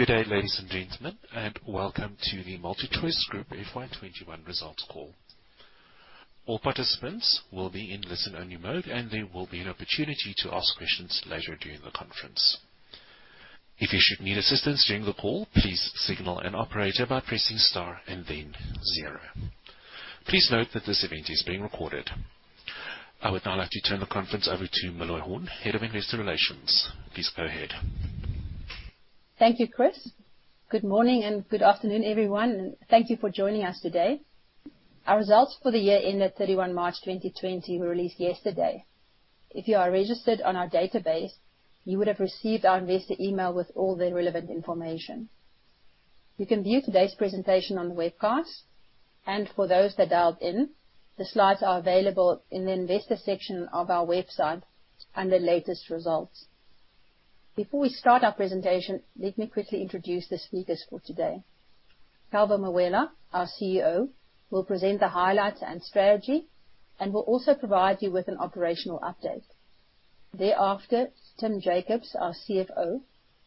Good day, ladies and gentlemen. Welcome to the MultiChoice Group FY 2021 results call. All participants will be in listen-only mode, and there will be an opportunity to ask questions later during the conference. If you should need assistance during the call, please signal an operator by pressing star and then zero. Please note that this event is being recorded. I would now like to turn the conference over to Meloy Horn, Head of Investor Relations. Please go ahead. Thank you, Chris. Good morning and good afternoon, everyone. Thank you for joining us today. Our results for the year ended 31 March 2020 were released yesterday. If you are registered on our database, you would have received our investor email with all the relevant information. You can view today's presentation on the webcast, and for those that dialed in, the slides are available in the investor section of our website under latest results. Before we start our presentation, let me quickly introduce the speakers for today. Calvo Mawela, our CEO, will present the highlights and strategy and will also provide you with an operational update. Thereafter, Tim Jacobs, our CFO,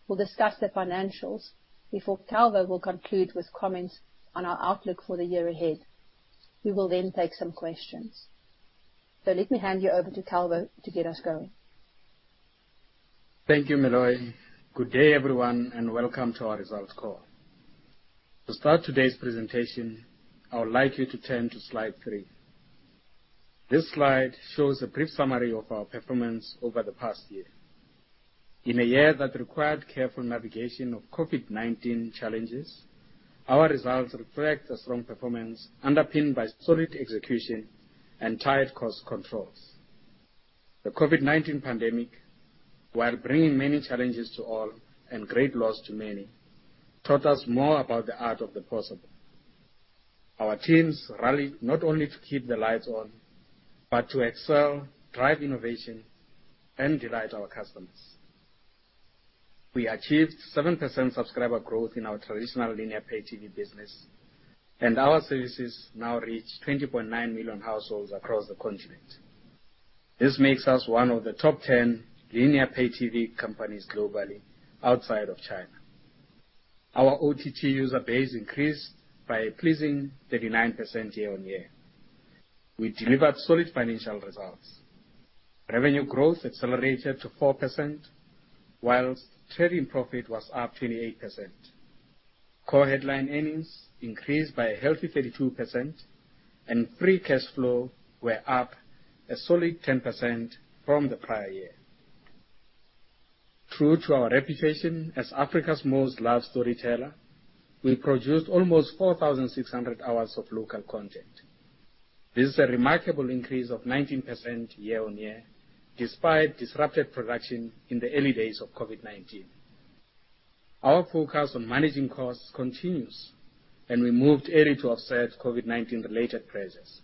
will discuss the financials before Calvo will conclude with comments on our outlook for the year ahead. We will then take some questions. Let me hand you over to Calvo to get us going. Thank you, Meloy Horn. Good day, everyone, and welcome to our results call. To start today's presentation, I would like you to turn to slide 3. This slide shows a brief summary of our performance over the past year. In a year that required careful navigation of COVID-19 challenges, our results reflect a strong performance underpinned by solid execution and tight cost controls. The COVID-19 pandemic, while bringing many challenges to all and great loss to many, taught us more about the art of the possible. Our teams rallied not only to keep the lights on, but to excel, drive innovation, and delight our customers. We achieved 7% subscriber growth in our traditional linear pay-TV business, and our services now reach 20.9 million households across the continent. This makes us one of the top 10 linear pay-TV companies globally outside of China. Our OTT user base increased by a pleasing 39% year-over-year. We delivered solid financial results. Revenue growth accelerated to 4%, while trading profit was up 28%. Core headline earnings increased by a healthy 32%, and free cash flow were up a solid 10% from the prior year. True to our reputation as Africa's most loved storyteller, we produced almost 4,600 hours of local content. This is a remarkable increase of 19% year-over-year, despite disrupted production in the early days of COVID-19. Our focus on managing costs continues, and we moved early to offset COVID-19 related pressures.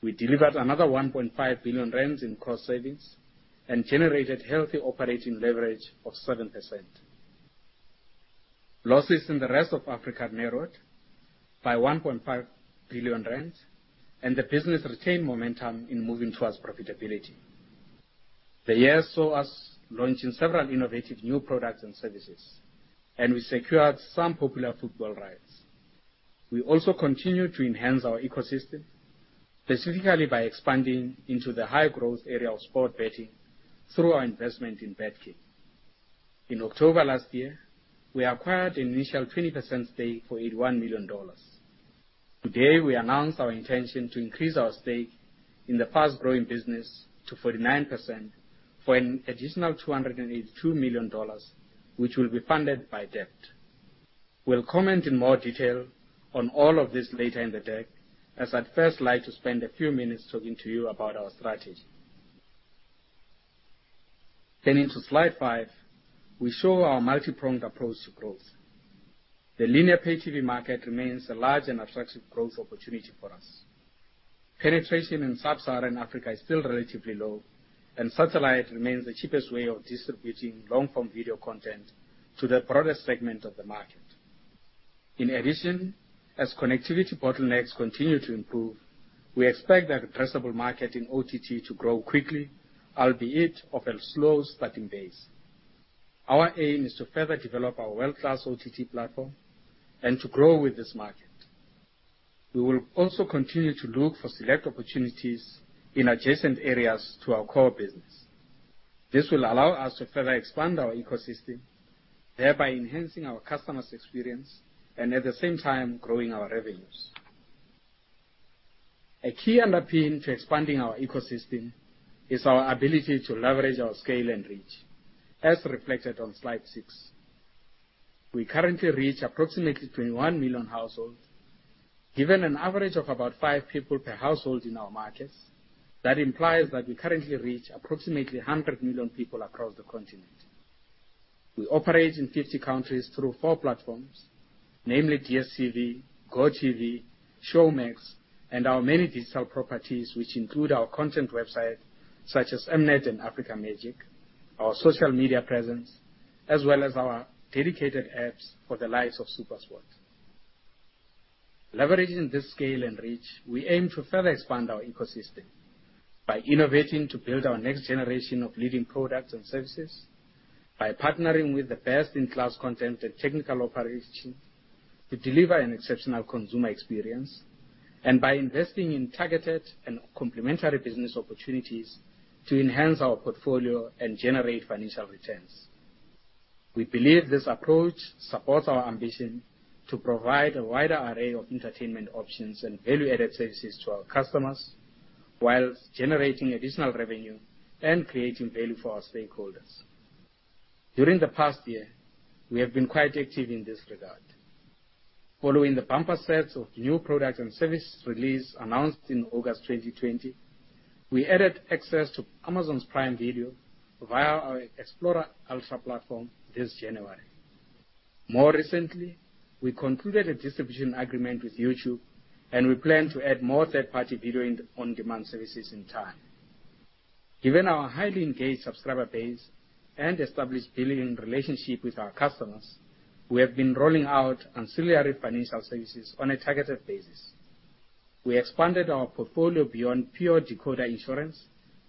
We delivered another 1.5 billion rand in cost savings and generated healthy operating leverage of 7%. Losses in the Rest of Africa narrowed by 1.5 billion rand, and the business retained momentum in moving towards profitability. The year saw us launching several innovative new products and services, and we secured some popular football rights. We also continue to enhance our ecosystem, specifically by expanding into the high-growth area of sports betting through our investment in BetKing. In October last year, we acquired an initial 20% stake for $81 million. Today, we announced our intention to increase our stake in the fast-growing business to 49% for an additional $282 million, which will be funded by debt. We'll comment in more detail on all of this later in the day, as I'd first like to spend a few minutes talking to you about our strategy. Into slide 5, we show our multi-pronged approach to growth. The linear pay-TV market remains a large and attractive growth opportunity for us. Penetration in Sub-Saharan Africa is still relatively low, satellite remains the cheapest way of distributing long-form video content to that product segment of the market. In addition, as connectivity bottlenecks continue to improve, we expect our addressable market in OTT to grow quickly, albeit off a slow starting base. Our aim is to further develop our world-class OTT platform and to grow with this market. We will also continue to look for select opportunities in adjacent areas to our core business. This will allow us to further expand our ecosystem, thereby enhancing our customers' experience and at the same time growing our revenues. A key underpinning to expanding our ecosystem is our ability to leverage our scale and reach, as reflected on slide 6. We currently reach approximately 21 million households. Given an average of about five people per household in our markets, that implies that we currently reach approximately 100 million people across the continent. We operate in 50 countries through four platforms, namely DStv, GOtv, Showmax, and our many digital properties, which include our content websites such as M-Net and Africa Magic, our social media presence, as well as our dedicated apps for the likes of SuperSport. Leveraging this scale and reach, we aim to further expand our ecosystem by innovating to build our next generation of leading products and services, by partnering with the best-in-class content and technical operations to deliver an exceptional consumer experience, and by investing in targeted and complementary business opportunities to enhance our portfolio and generate financial returns. We believe this approach supports our ambition to provide a wider array of entertainment options and value-added services to our customers, while generating additional revenue and creating value for our stakeholders. During the past year, we have been quite active in this regard. Following the bumper sets of new products and service release announced in August 2020, we added access to Amazon's Prime Video via our Explora Ultra platform this January. More recently, we concluded a distribution agreement with YouTube, and we plan to add more third-party video-on-demand services in time. Given our highly engaged subscriber base and established billing relationship with our customers, we have been rolling out ancillary financial services on a targeted basis. We expanded our portfolio beyond pure decoder insurance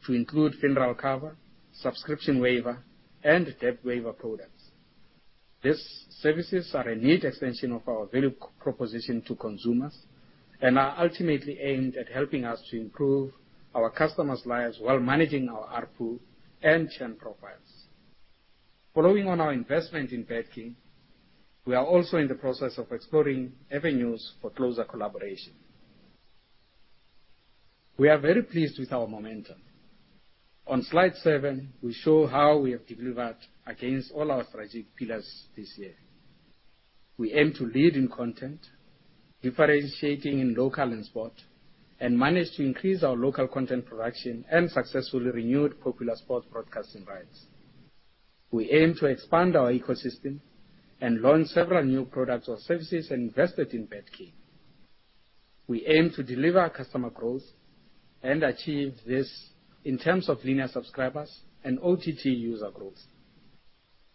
to include funeral cover, subscription waiver, and debt waiver products. These services are a neat extension of our value proposition to consumers and are ultimately aimed at helping us to improve our customers' lives while managing our ARPU and churn profiles. Following on our investment in BetKing, we are also in the process of exploring avenues for closer collaboration. We are very pleased with our momentum. On slide 7, we show how we have delivered against all our strategic pillars this year. We aim to lead in content, differentiating in local and sport, and managed to increase our local content production and successfully renewed popular sport broadcasting rights. We aim to expand our ecosystem and launch several new products or services and invested in BetKing. We aim to deliver customer growth and achieve this in terms of linear subscribers and OTT user growth.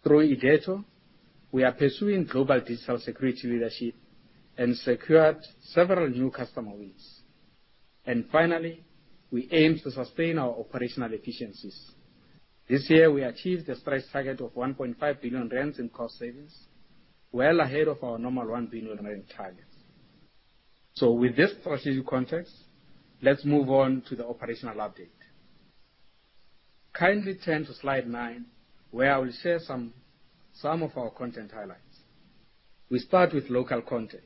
Through Irdeto, we are pursuing global digital security leadership and secured several new customer wins. Finally, we aim to sustain our operational efficiencies. This year, we achieved a stretch target of 1.5 billion rand in cost savings, well ahead of our normal 1 billion rand target. With this strategic context, let's move on to the operational update. Kindly turn to slide 9, where I will share some of our content highlights. We start with local content,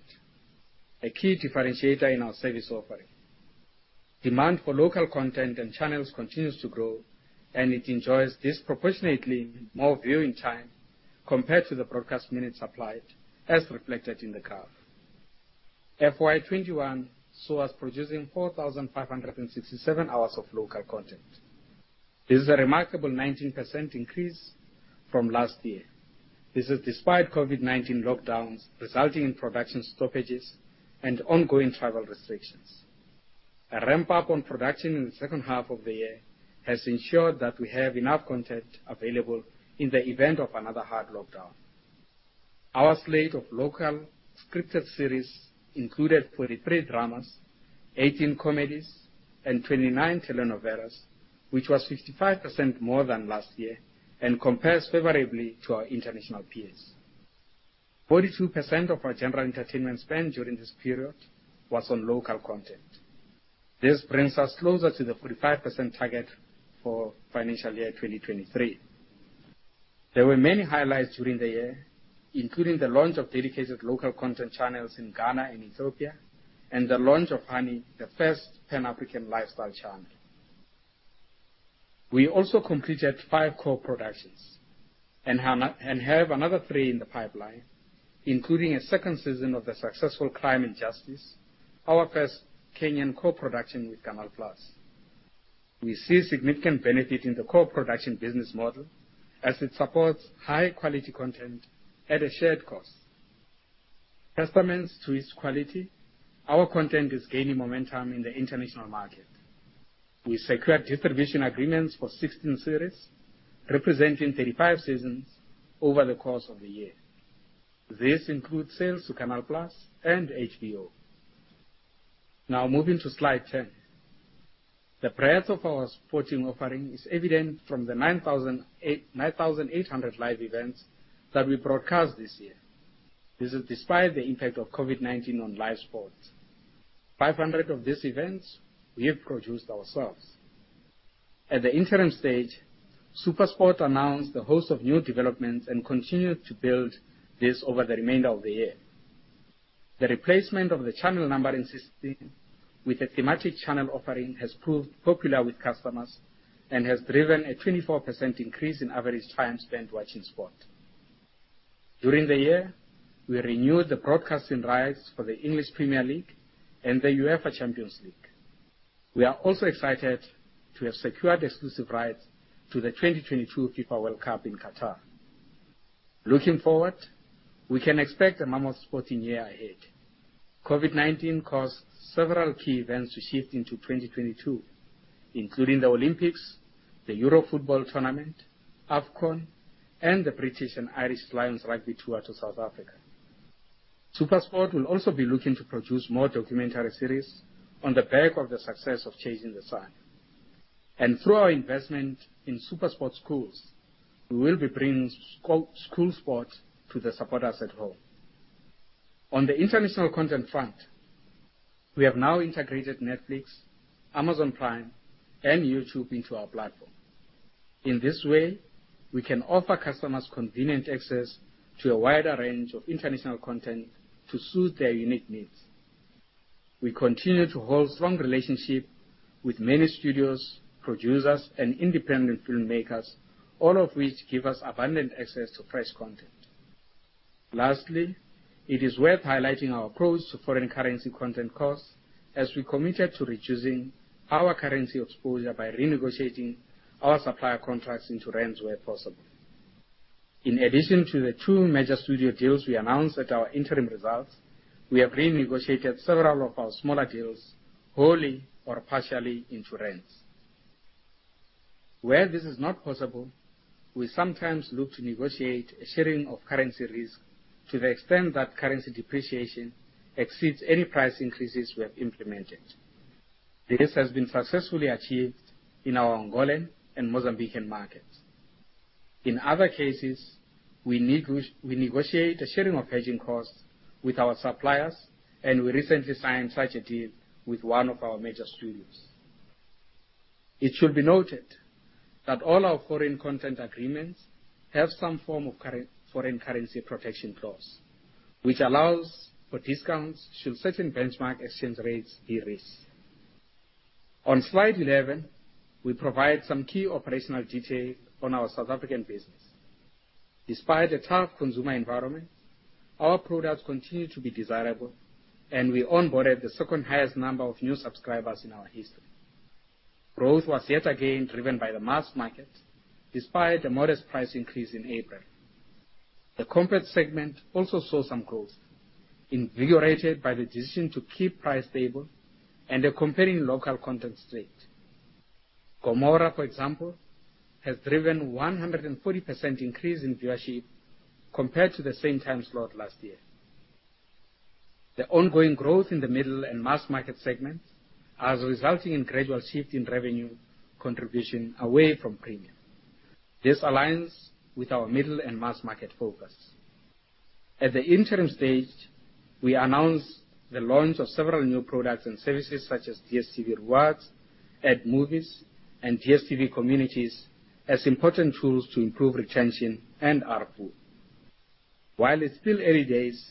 a key differentiator in our service offering. Demand for local content and channels continues to grow, and it enjoys disproportionately more viewing time compared to the broadcast minutes supplied, as reflected in the graph. FY 2021 saw us producing 4,567 hours of local content. This is a remarkable 19% increase from last year. This is despite COVID-19 lockdowns resulting in production stoppages and ongoing travel restrictions. A ramp-up on production in the second half of the year has ensured that we have enough content available in the event of another hard lockdown. Our slate of local scripted series included 43 dramas, 18 comedies, and 29 telenovelas, which was 55% more than last year and compares favorably to our international peers. 42% of our general entertainment spend during this period was on local content. This brings us closer to the 45% target for financial year 2023. There were many highlights during the year, including the launch of dedicated local content channels in Ghana and Ethiopia and the launch of HONEY, the first Pan-African lifestyle channel. We also completed five co-productions and have another three in the pipeline, including a second season of the successful "Crime and Justice," our first Kenyan co-production with Canal+. We see significant benefit in the co-production business model as it supports high-quality content at a shared cost. Testaments to its quality, our content is gaining momentum in the international market. We secured distribution agreements for 16 series, representing 35 seasons over the course of the year. This includes sales to Canal+ and HBO. Moving to slide 10. The breadth of our sporting offering is evident from the 9,800 live events that we broadcast this year. This is despite the impact of COVID-19 on live sports. 500 of these events, we have produced ourselves. At the interim stage, SuperSport announced a host of new developments and continued to build this over the remainder of the year. The replacement of the channel numbering system with a thematic channel offering has proved popular with customers and has driven a 24% increase in average time spent watching sport. During the year, we renewed the broadcasting rights for the English Premier League and the UEFA Champions League. We are also excited to have secured exclusive rights to the 2022 FIFA World Cup in Qatar. Looking forward, we can expect a mammoth sporting year ahead. COVID-19 caused several key events to shift into 2022, including the Olympics, the UEFA Euro 2020, AFCON, and the British & Irish Lions rugby tour to South Africa. SuperSport will also be looking to produce more documentary series on the back of the success of "Chasing the Sun." Through our investment in SuperSport Schools, we will be bringing school sports to the supporters at home. On the international content front, we have now integrated Netflix, Amazon Prime, and YouTube into our platform. In this way, we can offer customers convenient access to a wider range of international content to suit their unique needs. We continue to hold strong relationship with many studios, producers, and independent filmmakers, all of which give us abundant access to fresh content. Lastly, it is worth highlighting our approach to foreign currency content costs, as we committed to reducing our currency exposure by renegotiating our supplier contracts into rand where possible. In addition to the two major studio deals we announced at our interim results, we have renegotiated several of our smaller deals, wholly or partially into rand. Where this is not possible, we sometimes look to negotiate a sharing of currency risk to the extent that currency depreciation exceeds any price increases we have implemented. This has been successfully achieved in our Angolan and Mozambican markets. In other cases, we negotiate a sharing of hedging costs with our suppliers, and we recently signed such a deal with one of our major studios. It should be noted that all our foreign content agreements have some form of foreign currency protection clause, which allows for discounts should certain benchmark exchange rates be reached. On slide 11, we provide some key operational detail on our South African business. Despite a tough consumer environment, our products continue to be desirable, and we onboarded the second-highest number of new subscribers in our history. Growth was yet again driven by the mass market, despite a modest price increase in April. The compact segment also saw some growth, invigorated by the decision to keep price stable and a compelling local content slate. "Gomora," for example, has driven 140% increase in viewership compared to the same time slot last year. The ongoing growth in the middle- and mass-market segments are resulting in gradual shift in revenue contribution away from premium. This aligns with our middle- and mass-market focus. At the interim stage, we announced the launch of several new products and services such as DStv Rewards, Add Movies, and DStv Communities as important tools to improve retention and ARPU. While it's still early days,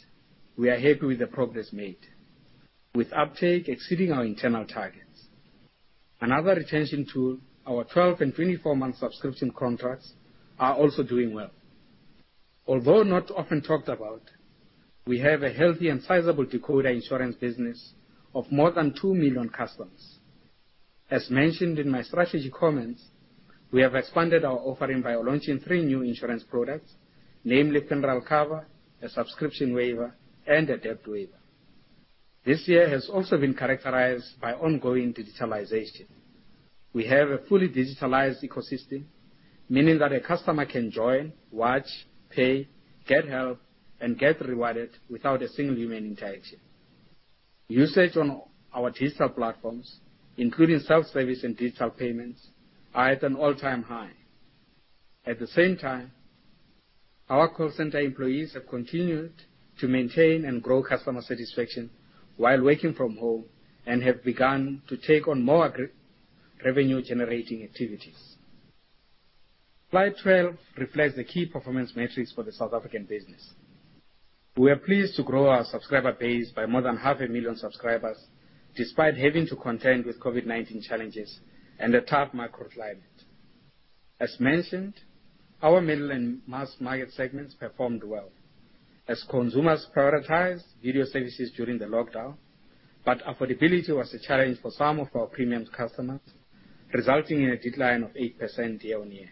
we are happy with the progress made, with uptake exceeding our internal targets. Another retention tool, our 12- and 24-month subscription contracts, are also doing well. Although not often talked about, we have a healthy and sizable decoder insurance business of more than 2 million customers. As mentioned in my strategy comments, we have expanded our offering by launching three new insurance products, namely funeral cover, a subscription waiver, and a debt waiver. This year has also been characterized by ongoing digitalization. We have a fully digitalized ecosystem, meaning that a customer can join, watch, pay, get help, and get rewarded without a single human interaction. Usage on our digital platforms, including self-service and digital payments, are at an all-time high. At the same time, our call center employees have continued to maintain and grow customer satisfaction while working from home and have begun to take on more revenue-generating activities. Slide 12 reflects the key performance metrics for the South African business. We are pleased to grow our subscriber base by more than 500,000 subscribers, despite having to contend with COVID-19 challenges and a tough macro climate. As mentioned, our middle- and mass-market segments performed well as consumers prioritized video services during the lockdown, but affordability was a challenge for some of our premium customers, resulting in a decline of 8% year-over-year.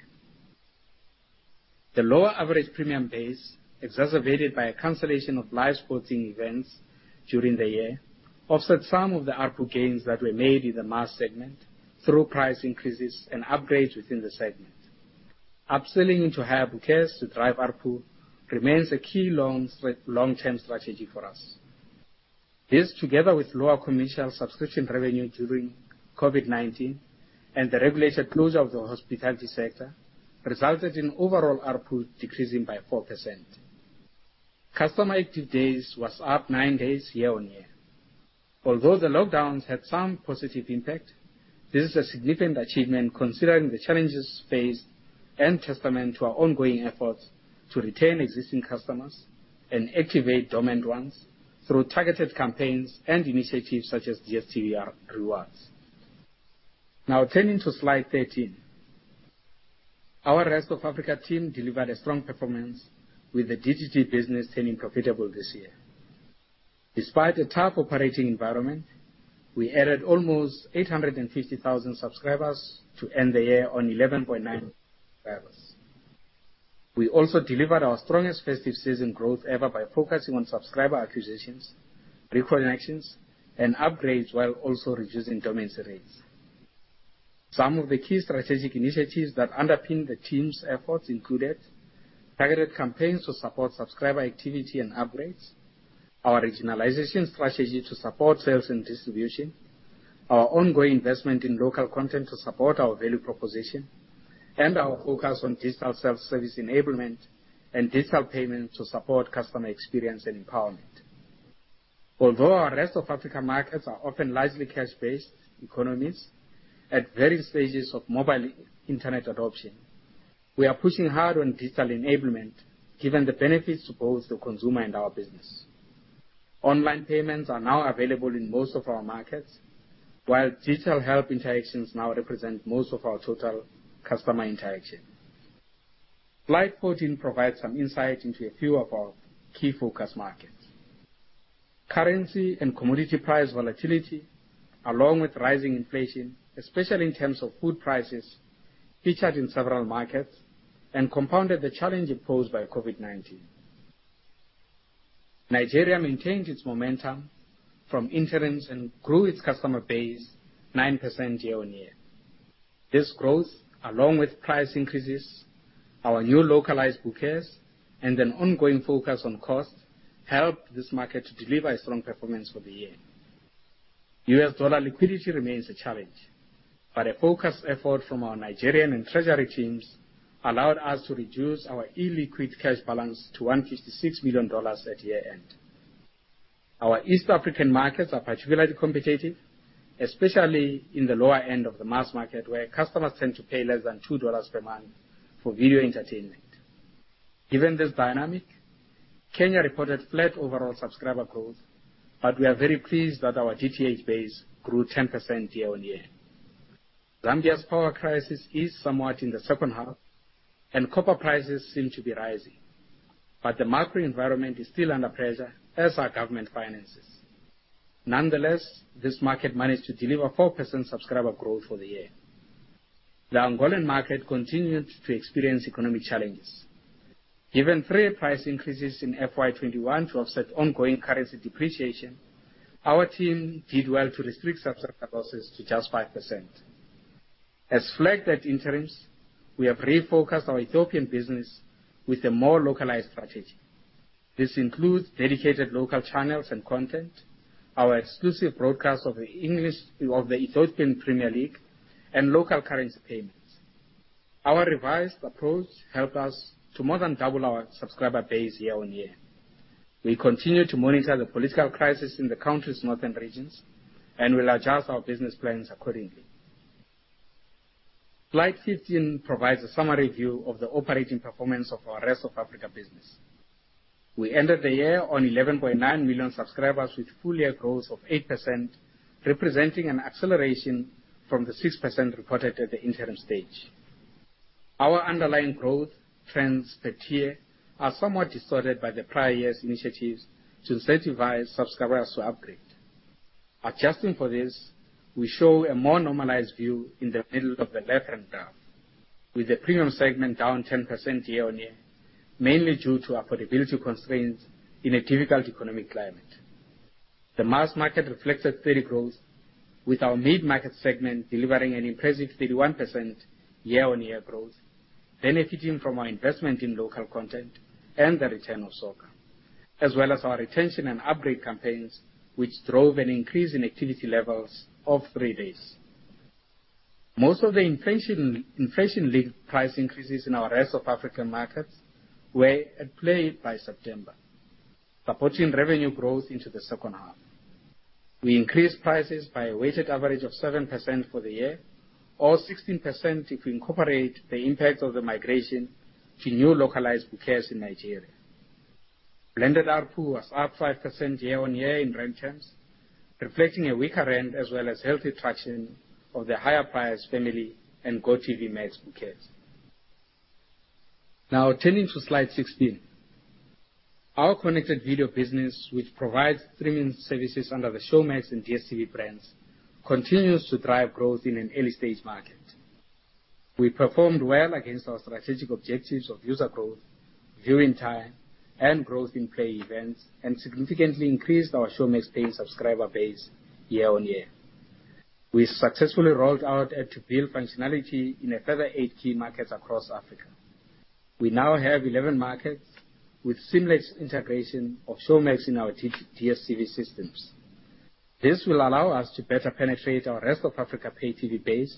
The lower average premium base, exacerbated by a cancellation of live sporting events during the year, offset some of the ARPU gains that were made in the mass segment through price increases and upgrades within the segment. Upselling into higher bouquets to drive ARPU remains a key long-term strategy for us. This, together with lower commercial subscription revenue during COVID-19 and the regulated closure of the hospitality sector, resulted in overall ARPU decreasing by 4%. Customer active days was up 9 days year-over-year. Although the lockdowns had some positive impact, this is a significant achievement considering the challenges faced and testament to our ongoing efforts to retain existing customers and activate dormant ones through targeted campaigns and initiatives such as DStv Rewards. Now turning to slide 13. Our Rest of Africa team delivered a strong performance, with the DStv business turning profitable this year. Despite a tough operating environment, we added almost 850,000 subscribers to end the year on 11.9 million subscribers. We also delivered our strongest festive season growth ever by focusing on subscriber acquisitions, reconnections, and upgrades, while also reducing churn rates. Some of the key strategic initiatives that underpin the team's efforts included. Targeted campaigns to support subscriber activity and upgrades, our regionalization strategy to support sales and distribution, our ongoing investment in local content to support our value proposition, and our focus on digital self-service enablement and digital payments to support customer experience and empowerment. Although our Rest of Africa markets are often largely cash-based economies at various stages of mobile internet adoption, we are pushing hard on digital enablement, given the benefits to both the consumer and our business. Online payments are now available in most of our markets, while digital help interactions now represent most of our total customer interaction. Slide 14 provides some insight into a few of our key focus markets. Currency and commodity price volatility, along with rising inflation, especially in terms of food prices, featured in several markets and compounded the challenge posed by COVID-19. Nigeria maintained its momentum from interim and grew its customer base 9% year-over-year. This growth, along with price increases, our new localized bouquets, and an ongoing focus on cost, helped this market to deliver a strong performance for the year. US dollar liquidity remains a challenge, but a focused effort from our Nigerian and treasury teams allowed us to reduce our illiquid cash balance to $156 million at year-end. Our East African markets are particularly competitive, especially in the lower end of the mass market, where customers tend to pay less than $2 per month for video entertainment. Given this dynamic, Kenya reported flat overall subscriber growth, but we are very pleased that our DTH base grew 10% year-over-year. Zambia's power crisis eased somewhat in the second half, and copper prices seem to be rising, but the macro environment is still under pressure, as are government finances. Nonetheless, this market managed to deliver 4% subscriber growth for the year. The Angolan market continued to experience economic challenges. Given three price increases in FY 2021 to offset ongoing currency depreciation, our team did well to restrict subscriber losses to just 5%. As flagged at interims, we have refocused our Ethiopian business with a more localized strategy. This includes dedicated local channels and content, our exclusive broadcast of the Ethiopian Premier League, and local currency payments. Our revised approach helped us to more than double our subscriber base year-over-year. We continue to monitor the political crisis in the country's northern regions and will adjust our business plans accordingly. Slide 15 provides a summary view of the operating performance of our Rest of Africa business. We ended the year on 11.9 million subscribers with full-year growth of 8%, representing an acceleration from the 6% reported at the interim stage. Our underlying growth trends per tier are somewhat distorted by the prior year's initiatives to incentivize subscribers to upgrade. Adjusting for this, we show a more normalized view in the middle of the left-hand graph, with the premium segment down 10% year-over-year, mainly due to affordability constraints in a difficult economic climate. The mass market reflected steady growth, with our mid-market segment delivering an impressive 51% year-over-year growth, benefiting from our investment in local content and the return of soccer, as well as our retention and upgrade campaigns, which drove an increase in activity levels of three days. Most of the inflation-linked price increases in our Rest of Africa markets were at play by September, supporting revenue growth into the second half. We increased prices by a weighted average of 7% for the year or 16% if we incorporate the impact of the migration to new localized bouquets in Nigeria. Blended ARPU was up 5% year-over-year in ZAR terms, reflecting a weaker ZAR as well as healthy traction of the DStv Family and GOtv Max bouquets. Now turning to slide 16. Our connected video business, which provides streaming services under the Showmax and DStv brands, continues to drive growth in an early stage market. We performed well against our strategic objectives of user growth, view time, and growth in pay events, and significantly increased our Showmax paying subscriber base year-over-year. We successfully rolled out add-to-bill functionality in a further 18 markets across Africa. We now have 11 markets with seamless integration of Showmax in our DStv systems. This will allow us to better penetrate our Rest of Africa pay TV base,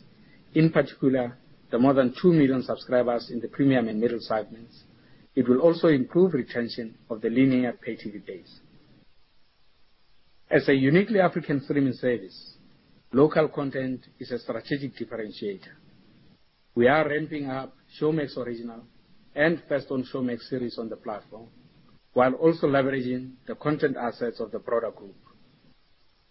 in particular, the more than two million subscribers in the premium and middle segments. It will also improve retention of the linear pay TV base. As a uniquely African streaming service, local content is a strategic differentiator. We are ramping up Showmax Original and First on Showmax series on the platform while also leveraging the content assets of the broader group.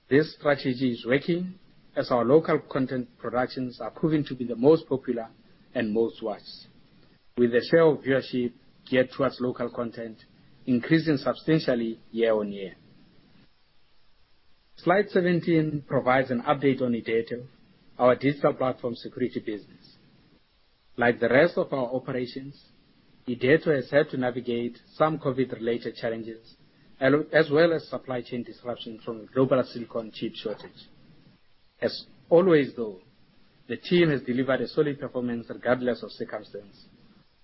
This strategy is working as our local content productions are proving to be the most popular and most watched, with the share of viewership geared towards local content increasing substantially year-over-year. Slide 17 provides an update on Irdeto, our digital platform security business. Like the rest of our operations, Irdeto has had to navigate some COVID-related challenges, as well as supply chain disruptions from global silicon chip shortage. As always, though, the team has delivered a solid performance regardless of circumstance,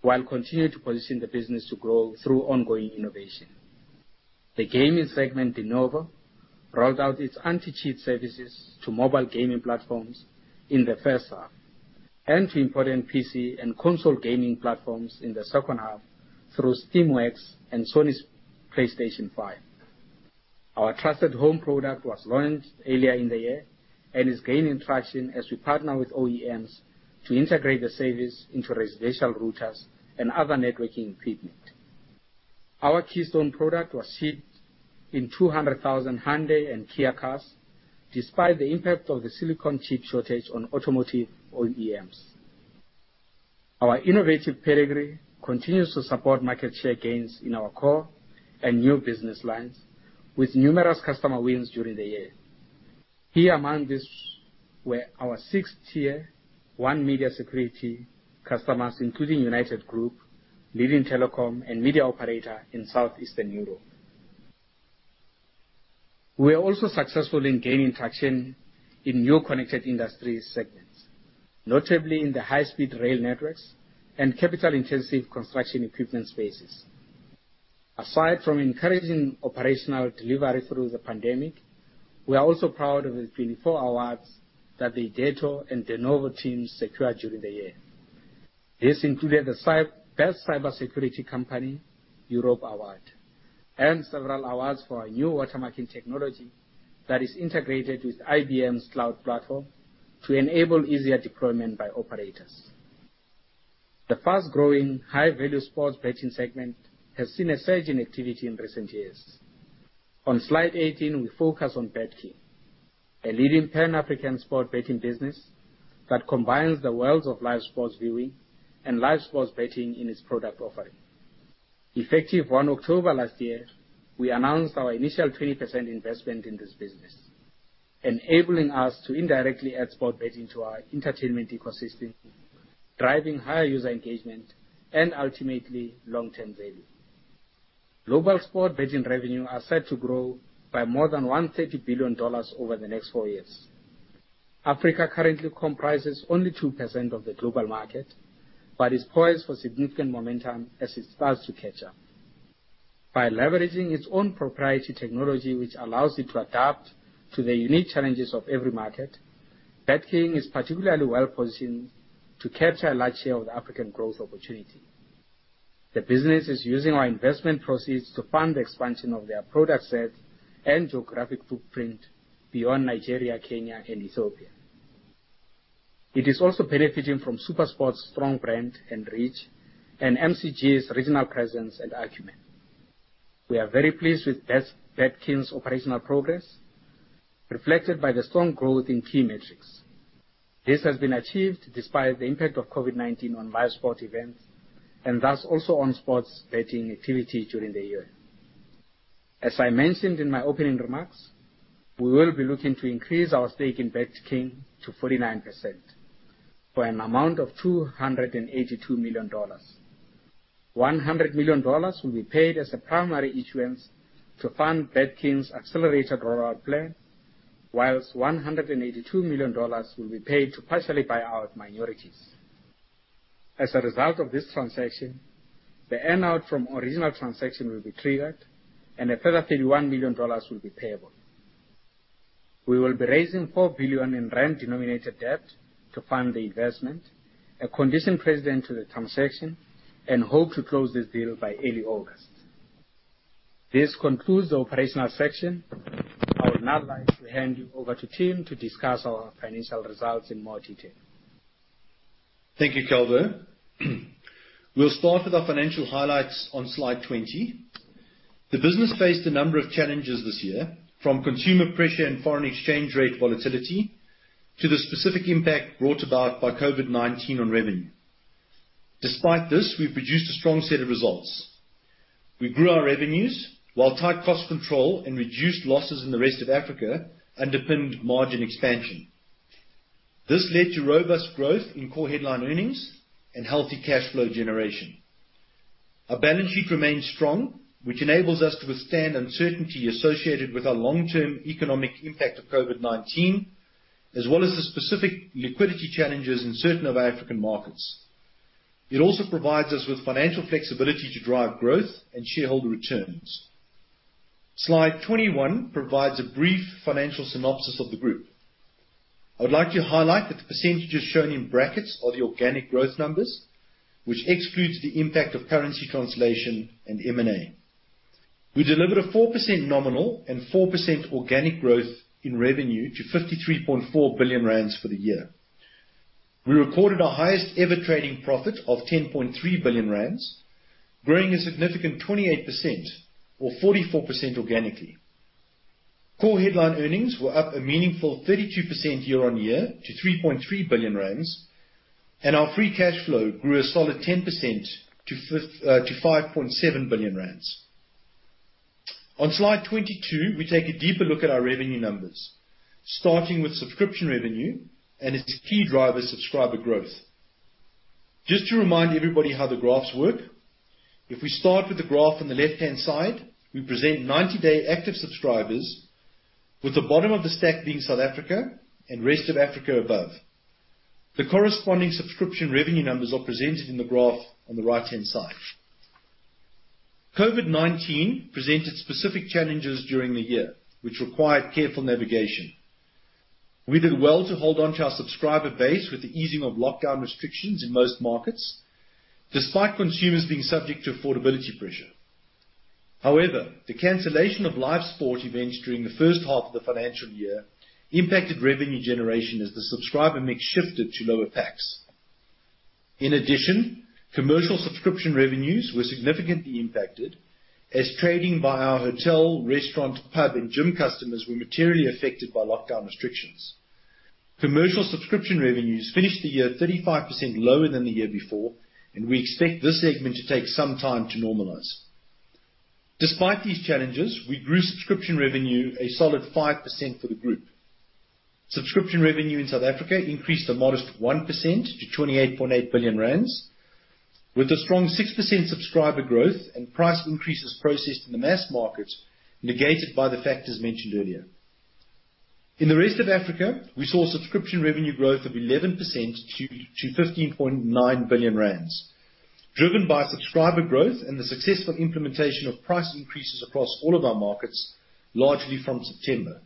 while continuing to position the business to grow through ongoing innovation. The gaming segment, Denuvo, rolled out its anti-cheat services to mobile gaming platforms in the first half, and to important PC and console gaming platforms in the second half through Steamworks and Sony's PlayStation 5. Our Trusted Home product was launched earlier in the year and is gaining traction as we partner with OEMs to integrate the service into residential routers and other networking equipment. Our Keystone product was shipped in 200,000 Hyundai and Kia cars, despite the impact of the silicon chip shortage on automotive OEMs. Our innovative pedigree continues to support market share gains in our core and new business lines, with numerous customer wins during the year. Here, among this, were our sixth Tier 1 Media Security customers, including United Group, leading telecom and media operator in southeastern Europe. We are also successful in gaining traction in new connected industry segments, notably in the high-speed rail networks and capital-intensive construction equipment spaces. Aside from encouraging operational delivery through the pandemic, we are also proud of the 24 awards that the Irdeto and Denuvo teams secured during the year. This included the Best Cybersecurity Company Europe Award and several awards for our new watermarking technology that is integrated with IBM's cloud platform to enable easier deployment by operators. The fast-growing, high-value sports betting segment has seen a surge in activity in recent years. On slide 18, we focus on BetKing, a leading pan-African sports betting business that combines the worlds of live sports viewing and live sports betting in its product offering. Effective 1 October last year, we announced our initial 20% investment in this business, enabling us to indirectly add sports betting to our entertainment ecosystem, driving higher user engagement, and ultimately, long-term value. Global sports betting revenue are set to grow by more than $130 billion over the next four years. Africa currently comprises only 2% of the global market, is poised for significant momentum as it starts to catch up. By leveraging its own proprietary technology, which allows it to adapt to the unique challenges of every market, BetKing is particularly well-positioned to capture a large share of the African growth opportunity. The business is using our investment proceeds to fund the expansion of their product set and geographic footprint beyond Nigeria, Kenya, and Ethiopia. It is also benefiting from SuperSport's strong brand and reach, and MCG's regional presence and acumen. We are very pleased with BetKing's operational progress, reflected by the strong growth in key metrics. This has been achieved despite the impact of COVID-19 on live sport events, and thus also on sports betting activity during the year. As I mentioned in my opening remarks, we will be looking to increase our stake in BetKing to 49%, for an amount of $282 million. $100 million will be paid as a primary issuance to fund BetKing's accelerated rollout plan, whilst $182 million will be paid to partially buy out minorities. As a result of this transaction, the earn-out from original transaction will be triggered, and a further $31 million will be payable. We will be raising 4 billion in rand-denominated debt to fund the investment, a condition precedent to the transaction, and hope to close this deal by early August. This concludes the operational section. I would now like to hand you over to Tim to discuss our financial results in more detail. Thank you, Calvo. We'll start with our financial highlights on slide 20. The business faced a number of challenges this year, from consumer pressure and foreign exchange rate volatility to the specific impact brought about by COVID-19 on revenue. Despite this, we've produced a strong set of results. We grew our revenues, while tight cost control and reduced losses in the Rest of Africa underpinned margin expansion. This led to robust growth in core headline earnings and healthy cash flow generation. Our balance sheet remains strong, which enables us to withstand uncertainty associated with our long-term economic impact of COVID-19, as well as the specific liquidity challenges in certain of our African markets. It also provides us with financial flexibility to drive growth and shareholder returns. Slide 21 provides a brief financial synopsis of the group. I would like to highlight that the percentages shown in brackets are the organic growth numbers, which excludes the impact of currency translation and M&A. We delivered a 4% nominal and 4% organic growth in revenue to 53.4 billion rand for the year. We recorded our highest-ever trading profit of 10.3 billion rand, growing a significant 28%, or 44% organically. Core headline earnings were up a meaningful 32% year-over-year to 3.3 billion rand. Our free cash flow grew a solid 10% to 5.7 billion rand. On slide 22, we take a deeper look at our revenue numbers, starting with subscription revenue and its key driver, subscriber growth. Just to remind everybody how the graphs work, if we start with the graph on the left-hand side, we present 90-day active subscribers, with the bottom of the stack being South Africa and Rest of Africa above. The corresponding subscription revenue numbers are presented in the graph on the right-hand side. COVID-19 presented specific challenges during the year, which required careful navigation. We did well to hold onto our subscriber base with the easing of lockdown restrictions in most markets, despite consumers being subject to affordability pressure. However, the cancellation of live sports events during the first half of the financial year impacted revenue generation as the subscriber mix shifted to lower packs. In addition, commercial subscription revenues were significantly impacted as trading by our hotel, restaurant, pub, and gym customers were materially affected by lockdown restrictions. Commercial subscription revenues finished the year 35% lower than the year before, and we expect this segment to take some time to normalize. Despite these challenges, we grew subscription revenue a solid 5% for the group. Subscription revenue in South Africa increased a modest 1% to 28.8 billion rand, with a strong 6% subscriber growth and price increases processed in the mass market negated by the factors mentioned earlier. In the Rest of Africa, we saw subscription revenue growth of 11% to 15.9 billion rand, driven by subscriber growth and the successful implementation of price increases across all of our markets, largely from September.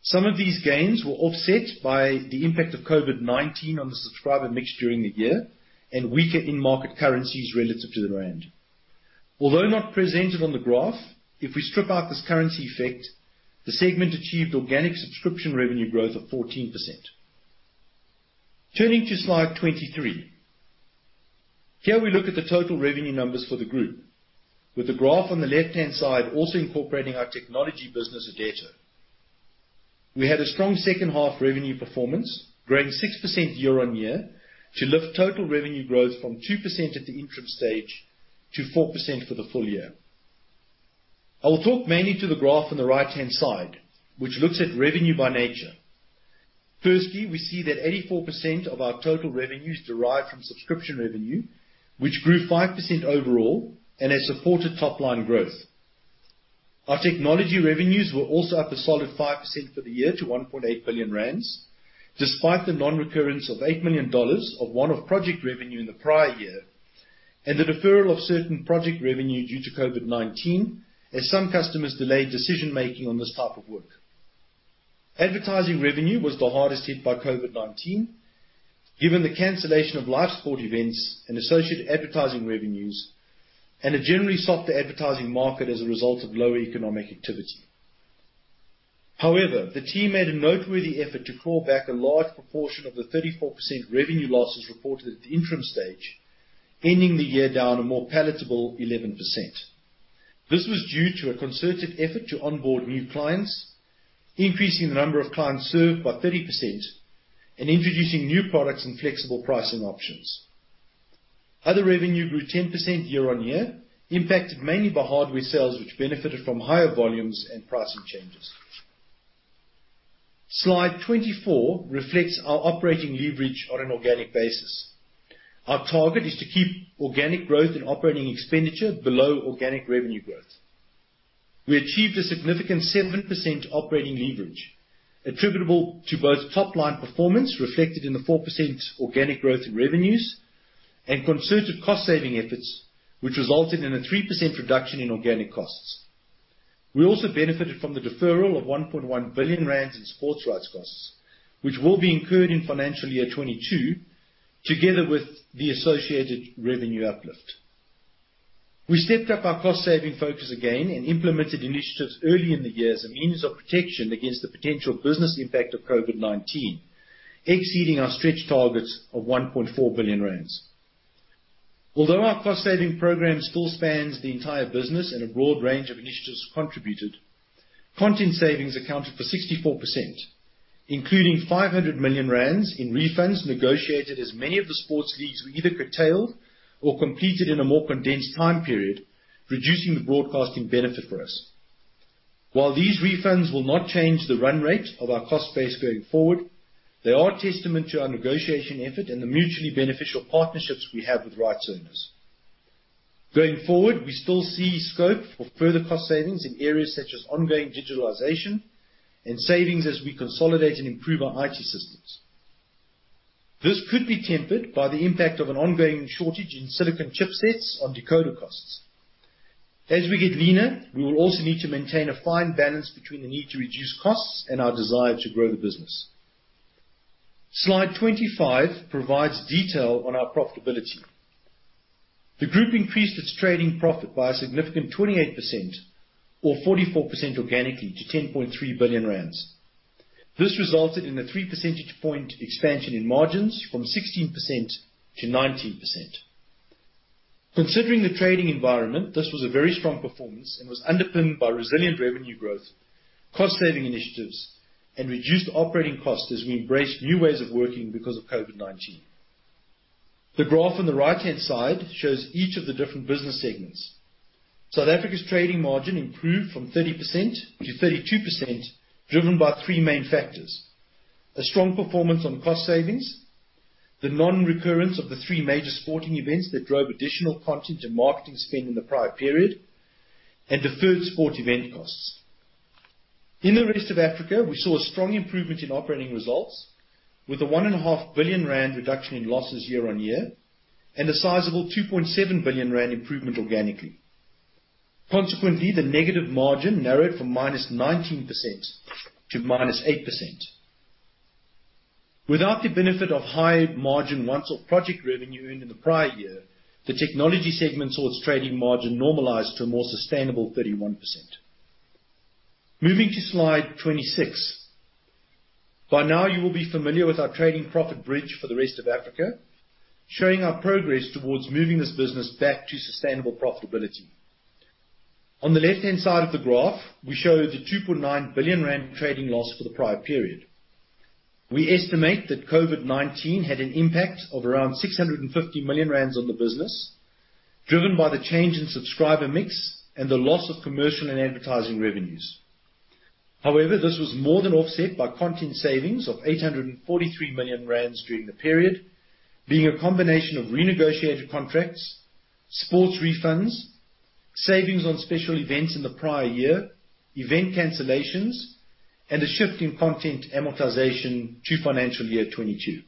Some of these gains were offset by the impact of COVID-19 on the subscriber mix during the year and weaker in-market currencies relative to the rand. Although not presented on the graph, if we strip out this currency effect, the segment achieved organic subscription revenue growth of 14%. Turning to slide 23. Here we look at the total revenue numbers for the group, with the graph on the left-hand side also incorporating our technology business, Irdeto. We had a strong second half revenue performance, growing 6% year-over-year to lift total revenue growth from 2% at the interim stage to 4% for the full year. I will talk mainly to the graph on the right-hand side, which looks at revenue by nature. Firstly, we see that 84% of our total revenues derive from subscription revenue, which grew 5% overall and has supported top-line growth. Our technology revenues were also up a solid 5% for the year to 1.8 billion rand, despite the non-recurrence of $8 million of one-off project revenue in the prior year and the deferral of certain project revenue due to COVID-19, as some customers delayed decision-making on this type of work. Advertising revenue was the hardest hit by COVID-19, given the cancellation of live sports events and associated advertising revenues and a generally softer advertising market as a result of lower economic activity. However, the team made a noteworthy effort to crawl back a large proportion of the 34% revenue losses reported at the interim stage, ending the year down a more palatable 11%. This was due to a concerted effort to onboard new clients, increasing the number of clients served by 30% and introducing new products and flexible pricing options. Other revenue grew 10% year-over-year, impacted mainly by hardware sales, which benefited from higher volumes and pricing changes. Slide 24 reflects our operating leverage on an organic basis. Our target is to keep organic growth in operating expenditure below organic revenue growth. We achieved a significant 70% operating leverage, attributable to both top-line performance reflected in the 4% organic growth in revenues and concerted cost-saving efforts, which resulted in a 3% reduction in organic costs. We also benefited from the deferral of 1.1 billion rand in sports rights costs, which will be incurred in FY 2022, together with the associated revenue uplift. We stepped up our cost-saving focus again and implemented initiatives early in the year as a means of protection against the potential business impact of COVID-19, exceeding our stretch targets of 1.4 billion rand. Although our cost-saving program still spans the entire business and a broad range of initiatives contributed, content savings accounted for 64%, including 500 million rand in refunds negotiated as many of the sports leagues were either curtailed or competed in a more condensed time period, reducing the broadcasting benefit for us. While these refunds will not change the run rate of our cost base going forward, they are testament to our negotiation effort and the mutually beneficial partnerships we have with rights owners. Going forward, we still see scope for further cost savings in areas such as ongoing digitalization and savings as we consolidate and improve our IT systems. This could be tempered by the impact of an ongoing shortage in silicon chipsets on decoder costs. As we get leaner, we will also need to maintain a fine balance between the need to reduce costs and our desire to grow the business. Slide 25 provides detail on our profitability. The group increased its trading profit by a significant 28%, or 44% organically, to 10.3 billion rand. This resulted in a three percentage point expansion in margins from 16%-19%. Considering the trading environment, this was a very strong performance and was underpinned by resilient revenue growth, cost-saving initiatives, and reduced operating costs as we embraced new ways of working because of COVID-19. The graph on the right-hand side shows each of the different business segments. South Africa's trading margin improved from 30% to 32%, driven by three main factors, a strong performance on cost savings, the non-recurrence of the three major sporting events that drove additional content and marketing spend in the prior period, and deferred sport event costs. In the Rest of Africa, we saw a strong improvement in operating results with a 1.5 billion rand reduction in losses year-over-year and a sizable 2.7 billion rand improvement organically. Consequently, the negative margin narrowed from -19% to -8%. Without the benefit of high-margin once-off project revenue in the prior year, the technology segment saw its trading margin normalize to a more sustainable 31%. Moving to slide 26. By now you will be familiar with our trading profit bridge for the Rest of Africa, showing our progress towards moving this business back to sustainable profitability. On the left-hand side of the graph, we show the 2.9 billion rand trading loss for the prior period. We estimate that COVID-19 had an impact of around 650 million rand on the business, driven by the change in subscriber mix and the loss of commercial and advertising revenues. However, this was more than offset by content savings of 843 million rand during the period, being a combination of renegotiated contracts, sports refunds, savings on special events in the prior year, event cancellations, and a shift in content amortization to financial year 2022.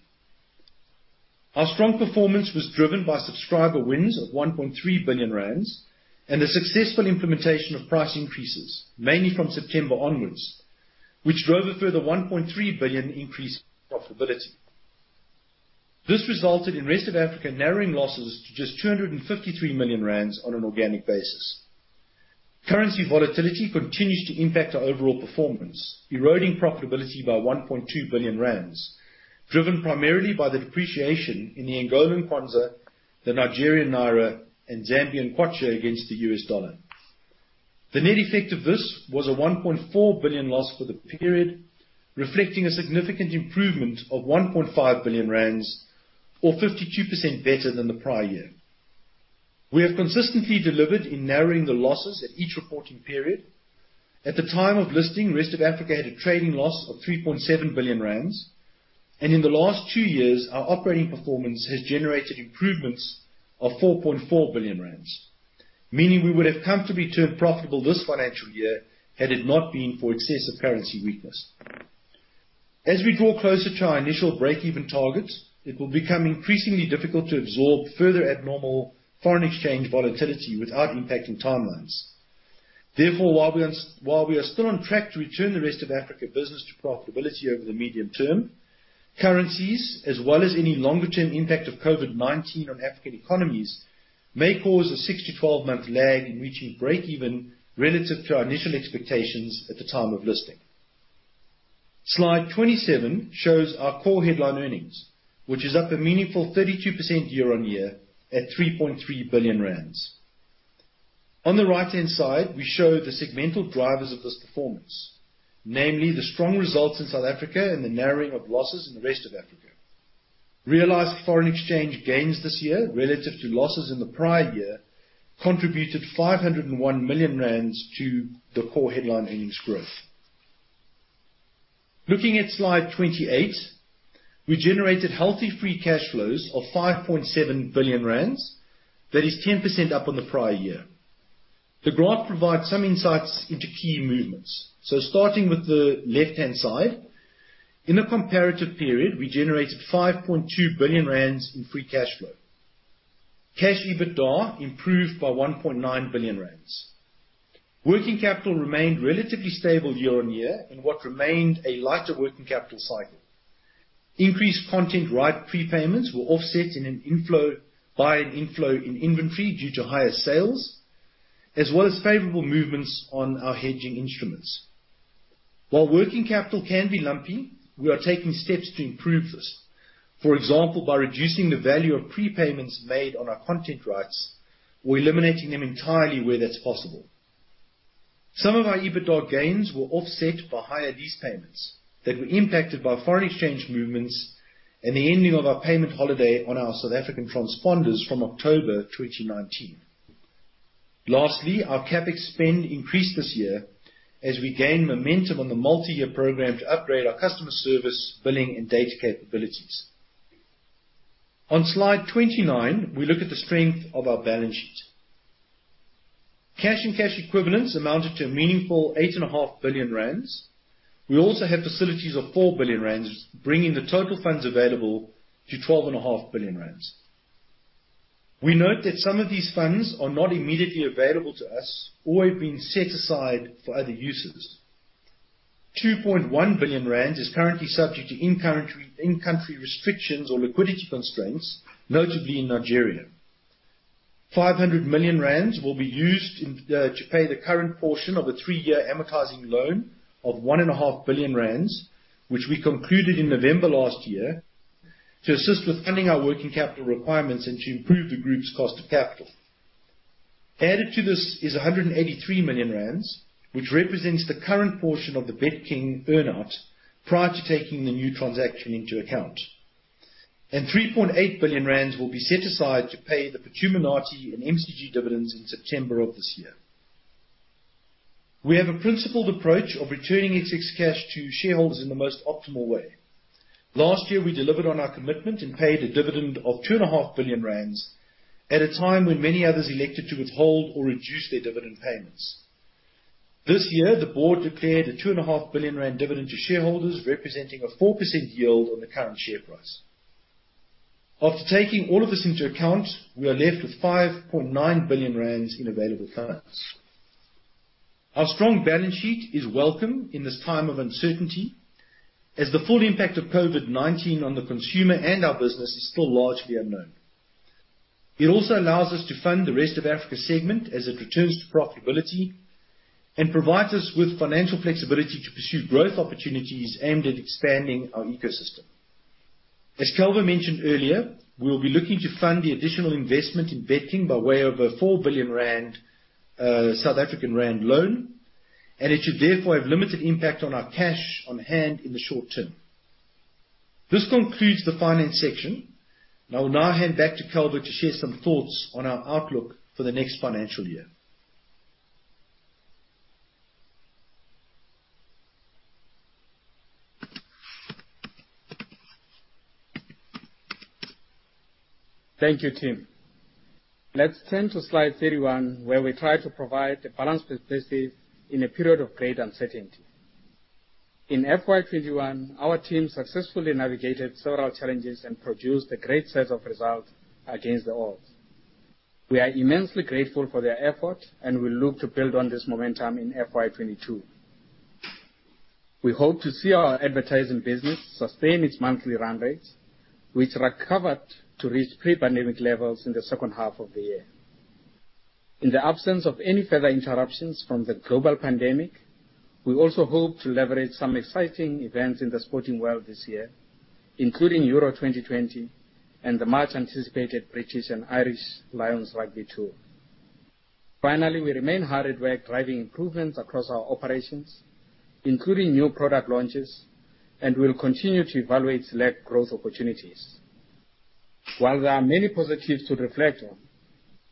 Our strong performance was driven by subscriber wins of 1.3 billion rand and a successful implementation of price increases, mainly from September onwards, which drove a further 1.3 billion increase in profitability. This resulted in Rest of Africa narrowing losses to just 253 million rand on an organic basis. Currency volatility continues to impact our overall performance, eroding profitability by 1.2 billion rand, driven primarily by the depreciation in the Angolan kwanza, the Nigerian naira, and Zambian kwacha against the US dollar. The net effect of this was a 1.4 billion loss for the period, reflecting a significant improvement of 1.5 billion rand or 52% better than the prior year. We have consistently delivered in narrowing the losses at each reporting period. At the time of listing, Rest of Africa had a trading loss of 3.7 billion rand, and in the last 2 years, our operating performance has generated improvements of 4.4 billion rand, meaning we would have come to be turned profitable this financial year had it not been for excessive currency weakness. As we draw closer to our initial breakeven targets, it will become increasingly difficult to absorb further abnormal foreign exchange volatility without impacting timelines. Therefore, while we are still on track to return the Rest of Africa business to profitability over the medium term, currencies, as well as any longer term impact of COVID-19 on African economies, may cause a 6-12 month lag in reaching breakeven relative to our initial expectations at the time of listing. Slide 27 shows our core headline earnings, which is up a meaningful 32% year-over-year at 3.3 billion rand. On the right-hand side, we show the segmental drivers of this performance, namely the strong results in South Africa and the narrowing of losses in the Rest of Africa. Realized foreign exchange gains this year relative to losses in the prior year contributed 501 million rand to the core headline earnings growth. Looking at slide 28, we generated healthy free cash flows of 5.7 billion rand, that is 10% up on the prior year. The graph provides some insights into key movements. Starting with the left-hand side, in the comparative period, we generated 5.2 billion rand in free cash flow. Cash EBITDA improved by 1.9 billion rand. Working capital remained relatively stable year-over-year in what remained a lighter working capital cycle. Increased content right prepayments were offset by an inflow in inventory due to higher sales, as well as favorable movements on our hedging instruments. While working capital can be lumpy, we are taking steps to improve this. For example, by reducing the value of prepayments made on our content rights or eliminating them entirely where that's possible. Some of our EBITDA gains were offset by higher lease payments that were impacted by foreign exchange movements and the ending of our payment holiday on our South African transponders from October 2019. Lastly, our CapEx spend increased this year as we gain momentum on the multi-year program to upgrade our customer service billing and data capabilities. On slide 29, we look at the strength of our balance sheet. Cash and cash equivalents amounted to a meaningful 8.5 billion rand. We also have facilities of 4 billion rand, bringing the total funds available to 12.5 billion rand. We note that some of these funds are not immediately available to us or have been set aside for other uses. 2.1 billion rand is currently subject to in-country restrictions or liquidity constraints, notably in Nigeria. 500 million rand will be used to pay the current portion of a three-year amortizing loan of 1.5 billion rand, which we concluded in November last year to assist with funding our working capital requirements and to improve the group's cost of capital. Added to this is 183 million rand, which represents the current portion of the BetKing earn-out, prior to taking the new transaction into account. 3.8 billion rand will be set aside to pay the Phuthuma Nathi and MCG dividends in September of this year. We have a principled approach of returning excess cash to shareholders in the most optimal way. Last year, we delivered on our commitment and paid a dividend of 2.5 billion rand at a time when many others elected to withhold or reduce their dividend payments. This year, the board declared a 2.5 billion rand dividend to shareholders, representing a 4% yield on the current share price. After taking all of this into account, we are left with 5.9 billion rand in available funds. Our strong balance sheet is welcome in this time of uncertainty, as the full impact of COVID-19 on the consumer and our business is still largely unknown. It also allows us to fund the Rest of Africa segment as it returns to profitability, and provides us with financial flexibility to pursue growth opportunities aimed at expanding our ecosystem. As Calvo mentioned earlier, we will be looking to fund the additional investment in BetKing by way of a 4 billion rand South African rand loan. It should therefore have limited impact on our cash on hand in the short term. This concludes the finance section. I will now hand back to Calvo to share some thoughts on our outlook for the next financial year. Thank you, Tim. Let's turn to slide 31, where we try to provide a balanced perspective in a period of great uncertainty. In FY 2021, our team successfully navigated several challenges and produced a great set of results against the odds. We are immensely grateful for their effort, and we look to build on this momentum in FY 2022. We hope to see our advertising business sustain its monthly run rates, which recovered to reach pre-pandemic levels in the second half of the year. In the absence of any further interruptions from the global pandemic, we also hope to leverage some exciting events in the sporting world this year, including UEFA Euro 2020 and the much-anticipated British & Irish Lions rugby tour. Finally, we remain hard at work driving improvements across our operations, including new product launches, and we will continue to evaluate select growth opportunities. While there are many positives to reflect on,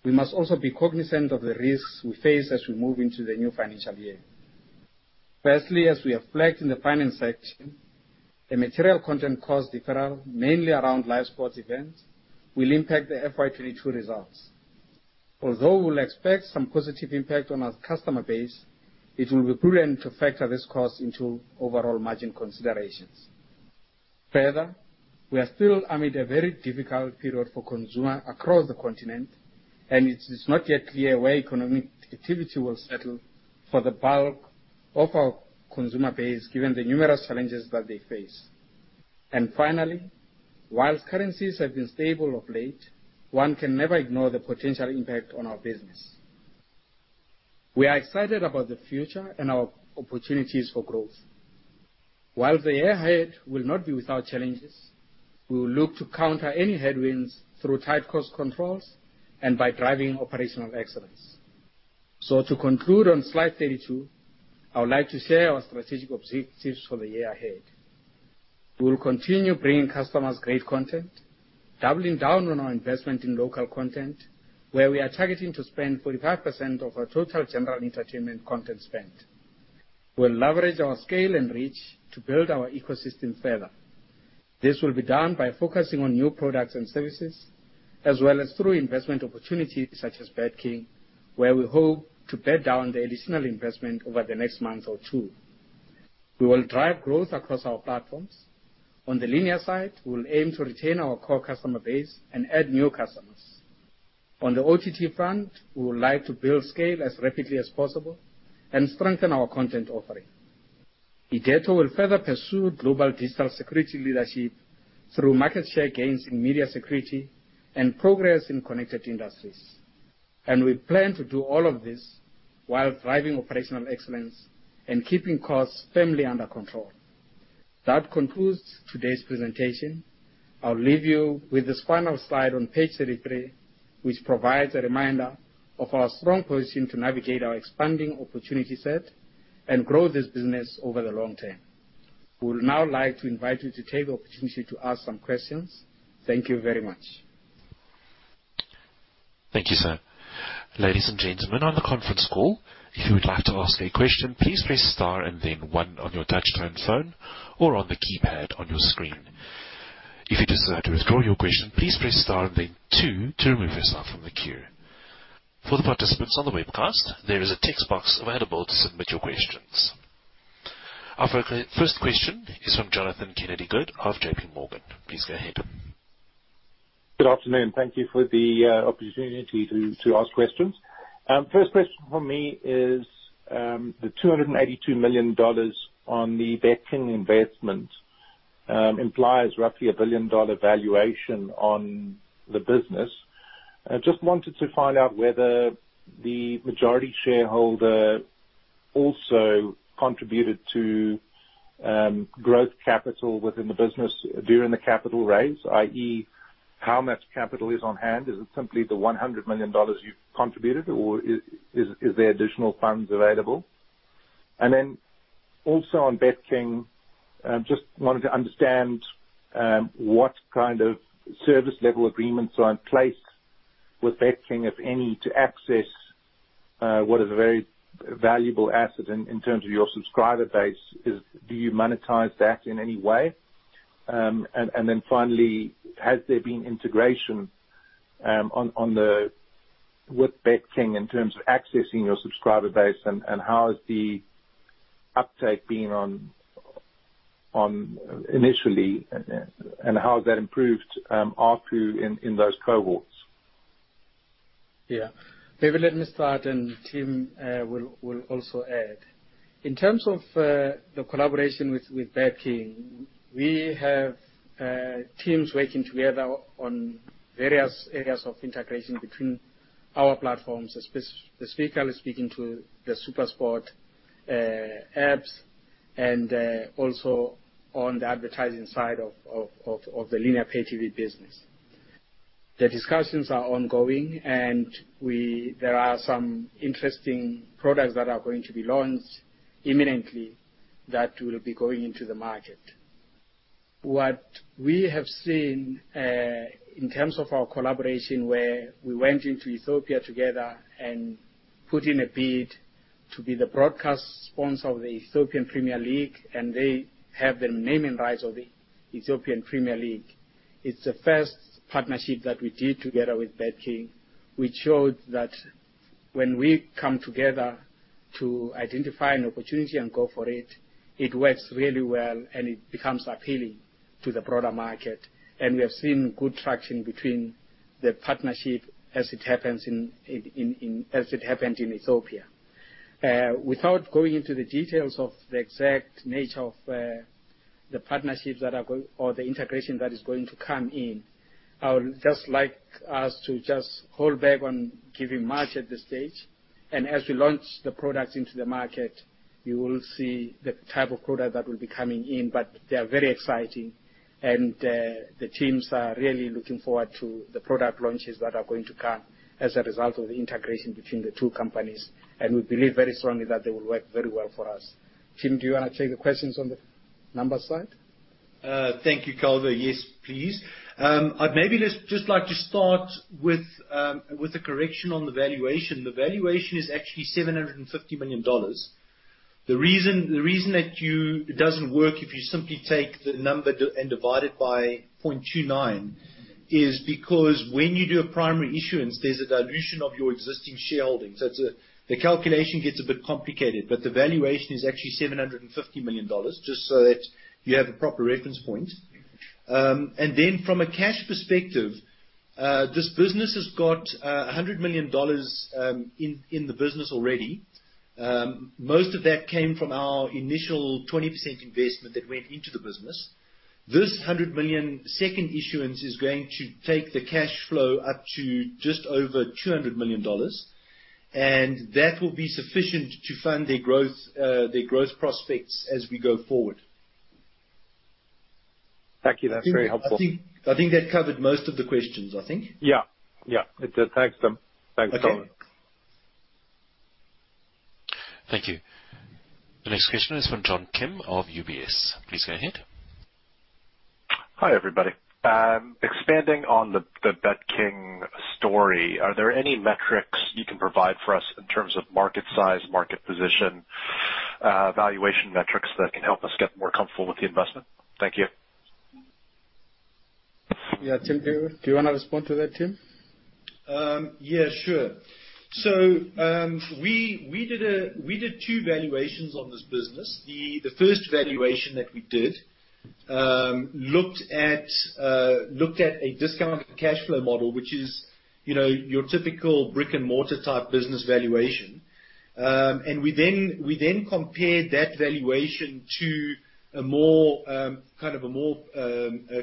we must also be cognizant of the risks we face as we move into the new financial year. Firstly, as we have flagged in the finance section, the material content cost deferral, mainly around live sports events, will impact the FY 2022 results. Although we'll expect some positive impact on our customer base, it will be prudent to factor this cost into overall margin considerations. Further, we are still amid a very difficult period for consumer across the continent, it is not yet clear where economic activity will settle for the bulk of our consumer base, given the numerous challenges that they face. Finally, while currencies have been stable of late, one can never ignore the potential impact on our business. We are excited about the future and our opportunities for growth. While the year ahead will not be without challenges, we will look to counter any headwinds through tight cost controls and by driving operational excellence. To conclude on slide 32, I would like to share our strategic objectives for the year ahead. We will continue bringing customers great content, doubling down on our investment in local content, where we are targeting to spend 45% of our total general entertainment content spend. We'll leverage our scale and reach to build our ecosystem further. This will be done by focusing on new products and services, as well as through investment opportunities such as BetKing, where we hope to bed down the additional investment over the next month or two. We will drive growth across our platforms. On the linear side, we will aim to retain our core customer base and add new customers. On the OTT front, we would like to build scale as rapidly as possible and strengthen our content offering. Irdeto will further pursue global digital security leadership through market share gains in media security and progress in connected industries. We plan to do all of this while driving operational excellence and keeping costs firmly under control. That concludes today's presentation. I'll leave you with this final slide on page 33, which provides a reminder of our strong position to navigate our expanding opportunity set and grow this business over the long term. We would now like to invite you to take the opportunity to ask some questions. Thank you very much. Thank you, sir. Ladies and gentlemen on the conference call, if you would like to ask a question, please press star and then one on your touchtone phone or on the keypad on your screen. If you desire to withdraw your question, please press star and then two to remove yourself from the queue. For the participants on the webcast, there is a text box available to submit your questions. Our first question is from Jonathan Kennedy-Good of JPMorgan. Please go ahead. Good afternoon. Thank you for the opportunity to ask questions. First question from me is, the $282 million on the BetKing investment implies roughly a billion-dollar valuation on the business. I just wanted to find out whether the majority shareholder also contributed to growth capital within the business during the capital raise, i.e., how much capital is on hand? Is it simply the $100 million you've contributed, or is there additional funds available? Also on BetKing, just wanted to understand what kind of service level agreements are in place with BetKing, if any, to access what is a very valuable asset in terms of your subscriber base. Do you monetize that in any way? Finally, has there been integration with BetKing in terms of accessing your subscriber base, and how has the uptake been initially, and how has that improved ARPU in those cohorts? Yeah. Jonathan, let me start, and Tim will also add. In terms of the collaboration with BetKing, we have teams working together on various areas of integration between our platforms, specifically speaking to the SuperSport apps and also on the advertising side of the linear pay-TV business. The discussions are ongoing, and there are some interesting products that are going to be launched imminently that will be going into the market. What we have seen in terms of our collaboration, where we went into Ethiopia together and put in a bid to be the broadcast sponsor of the Ethiopian Premier League, and they have the naming rights of the Ethiopian Premier League. It's the first partnership that we did together with BetKing, which showed that when we come together to identify an opportunity and go for it works really well, and it becomes appealing to the broader market. We have seen good traction between the partnership as it happens in Ethiopia. Without going into the details of the exact nature of the partnerships or the integration that is going to come in, I would just like us to just hold back on giving much at this stage. As we launch the products into the market, you will see the type of product that will be coming in. They are very exciting, and the teams are really looking forward to the product launches that are going to come as a result of the integration between the two companies. We believe very strongly that they will work very well for us. Tim, do you want to take the questions on the numbers side? Thank you, Calvo Mawela. Yes, please. I'd maybe just like to start with a correction on the valuation. The valuation is actually $750 million. The reason that it doesn't work if you simply take the number and divide it by 0.29 is because when you do a primary issuance, there's a dilution of your existing shareholding. The calculation gets a bit complicated, but the valuation is actually $750 million, just so that you have a proper reference point. From a cash perspective, this business has got $100 million in the business already. Most of that came from our initial 20% investment that went into the business. This $100 million second issuance is going to take the cash flow up to just over $200 million, and that will be sufficient to fund their growth prospects as we go forward. Thank you. That's very helpful. I think that covered most of the questions, I think. Yeah. Thank you. No problem. Thank you. The next question is from John Kim of UBS. Please go ahead. Hi, everybody. Expanding on the BetKing story, are there any metrics you can provide for us in terms of market size, market position, valuation metrics that can help us get more comfortable with the investment? Thank you. Yeah. Tim, do you want to respond to that, Tim? Yeah, sure. We did two valuations on this business. The first valuation that we did looked at a discounted cash flow model, which is your typical brick-and-mortar type business valuation. We then compared that valuation to a more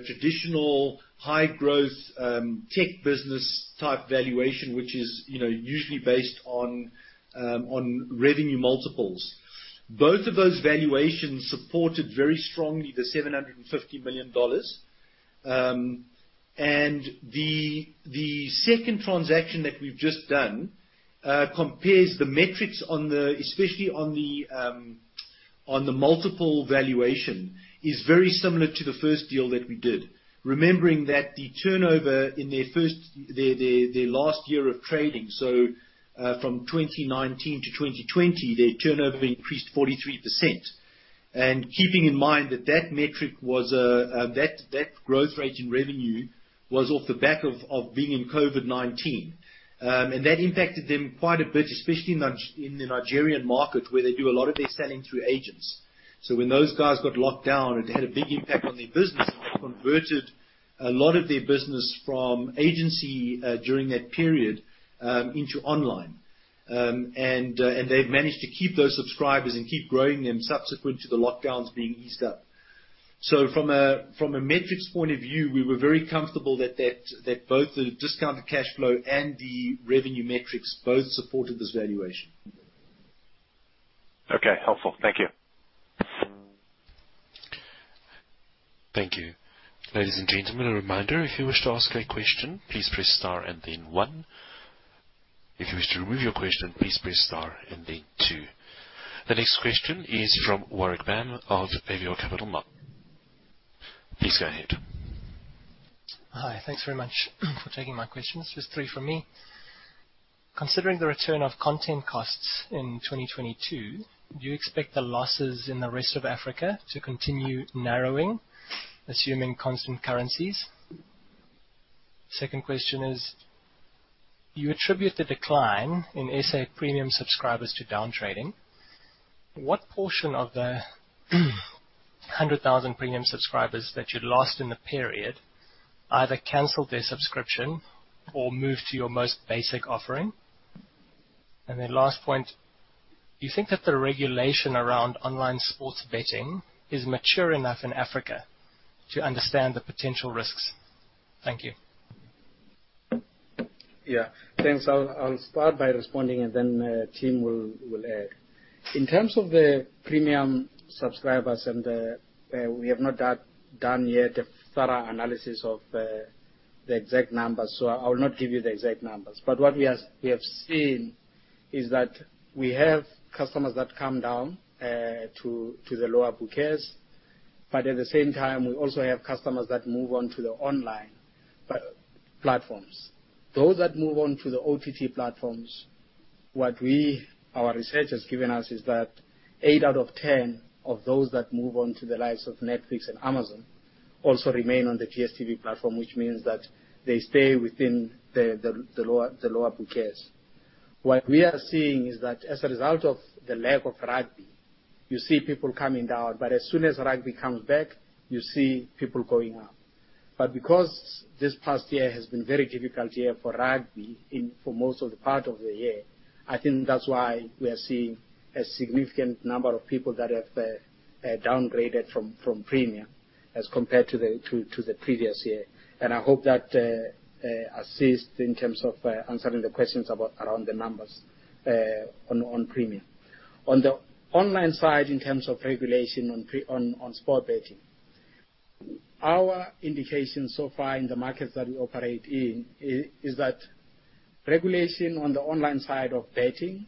traditional high growth tech business type valuation, which is usually based on revenue multiples. Both of those valuations supported very strongly the $750 million. The second transaction that we've just done compares the metrics, especially on the multiple valuation, is very similar to the first deal that we did. Remembering that the turnover in their last year of trading, so from 2019 to 2020, their turnover increased 43%. Keeping in mind that that metric, that growth rate in revenue, was off the back of being in COVID-19. That impacted them quite a bit, especially in the Nigerian market, where they do a lot of their selling through agents. When those guys got locked down, it had a big impact on their business, and they converted a lot of their business from agency during that period into online. They've managed to keep those subscribers and keep growing them subsequent to the lockdowns being eased up. From a metrics point of view, we were very comfortable that both the discounted cash flow and the revenue metrics both supported this valuation. Okay. Helpful. Thank you. Thank you. Ladies and gentlemen, a reminder, if you wish to ask a question, please press star and then one. If you wish to remove your question, please press star and then two. The next question is from Warwick Bam of Avior Capital Markets. Please go ahead. Hi. Thanks very much for taking my questions. Just three from me. Considering the return of content costs in 2022, do you expect the losses in the Rest of Africa to continue narrowing, assuming constant currencies? Second question is, you attribute the decline in SA premium subscribers to down trading. What portion of the 100,000 premium subscribers that you lost in the period either canceled their subscription or moved to your most basic offering? Last point, do you think that the regulation around online sports betting is mature enough in Africa to understand the potential risks? Thank you. Yeah. Thanks. I'll start by responding, and then the team will add. In terms of the premium subscribers, we have not done yet a thorough analysis of the exact numbers, so I will not give you the exact numbers. What we have seen is that we have customers that come down to the lower bouquets. At the same time, we also have customers that move on to the online platforms. Those that move on to the OTT platforms, what our research has given us is that eight out of 10 of those that move on to the likes of Netflix and Amazon also remain on the DStv platform, which means that they stay within the lower bouquets. What we are seeing is that as a result of the lack of rugby, you see people coming down, but as soon as rugby comes back, you see people going up. Because this past year has been very difficult year for rugby for most of the part of the year, I think that's why we are seeing a significant number of people that have downgraded from premium as compared to the previous year. I hope that assists in terms of answering the questions around the numbers on premium. On the online side, in terms of regulation on sports betting, our indication so far in the markets that we operate in is that regulation on the online side of betting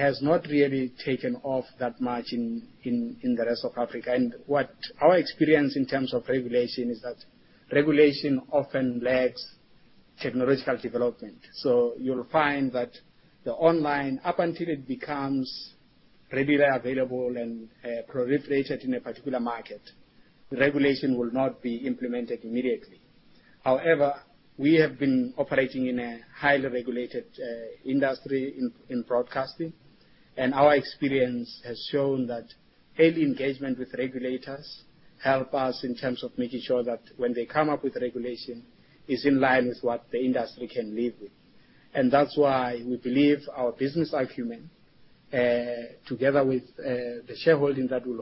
has not really taken off that much in the Rest of Africa. Our experience in terms of regulation is that regulation often lags technological development. You'll find that the online, up until it becomes readily available and proliferated in a particular market, regulation will not be implemented immediately. However, we have been operating in a highly regulated industry in broadcasting, and our experience has shown that early engagement with regulators help us in terms of making sure that when they come up with regulation, it's in line with what the industry can live with. That's why we believe our business acumen, together with the shareholding that we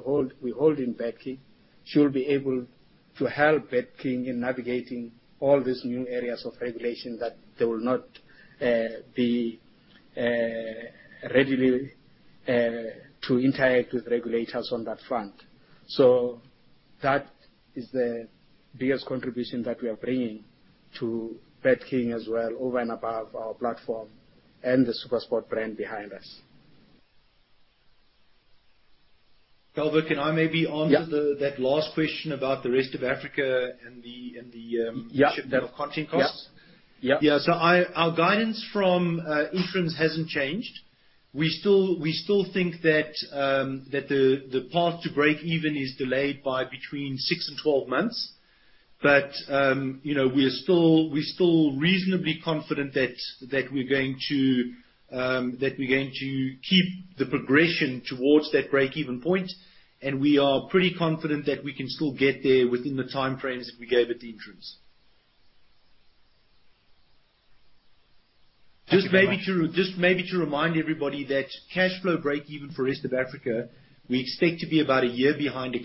hold in BetKing, should be able to help BetKing in navigating all these new areas of regulation, that they will not be ready to interact with regulators on that front. That is the biggest contribution that we are bringing to BetKing as well, over and above our platform and the SuperSport brand behind us. Calvo Mawela, can I maybe answer that last question about the Rest of Africa? Yeah issue of content costs? Yeah. Our guidance from Investor Day hasn't changed. We still think that the path to breakeven is delayed by between six and 12 months. We are still reasonably confident that we're going to keep the progression towards that breakeven point, and we are pretty confident that we can still get there within the time frames that we gave at the Investor Day. Just maybe to remind everybody that cash flow breakeven for Rest of Africa, we expect to be about 1 billion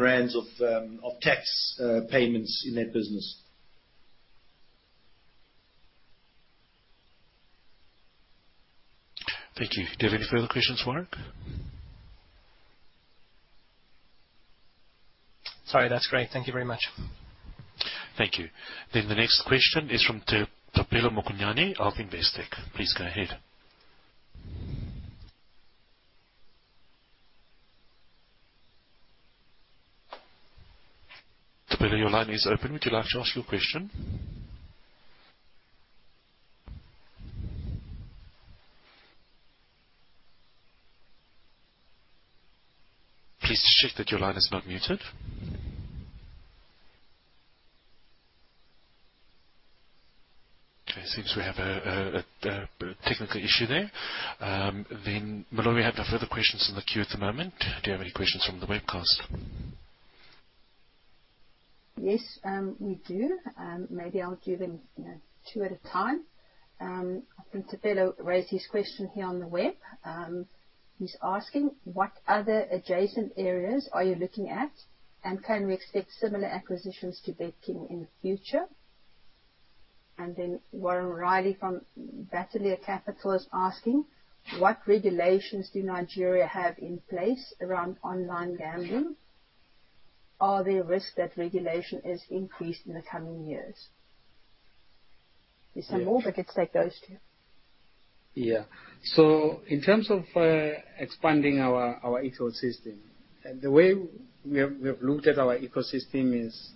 rand of tax payments in their business. Thank you. Do you have any further questions, Warwick? Sorry, that's great. Thank you very much. Thank you. The next question is from Thapelo Mokonyane of Investec. Please go ahead. Thapelo, your line is open. Would you like to ask your question? Please check that your line is not muted. Okay, it seems we have a technical issue there. We don't have any further questions in the queue at the moment. Do you have any questions from the webcast? Yes, we do. Maybe I'll give him two at a time. Mr. Thapelo raised his question here on the web. He's asking, what other adjacent areas are you looking at, and can we expect similar acquisitions to BetKing in the future? Warren Riley from Bateleur Capital is asking, what regulations do Nigeria have in place around online gambling? Are they at risk that regulation is increased in the coming years? Is there more to take those two? In terms of expanding our ecosystem, the way we have looked at our ecosystem is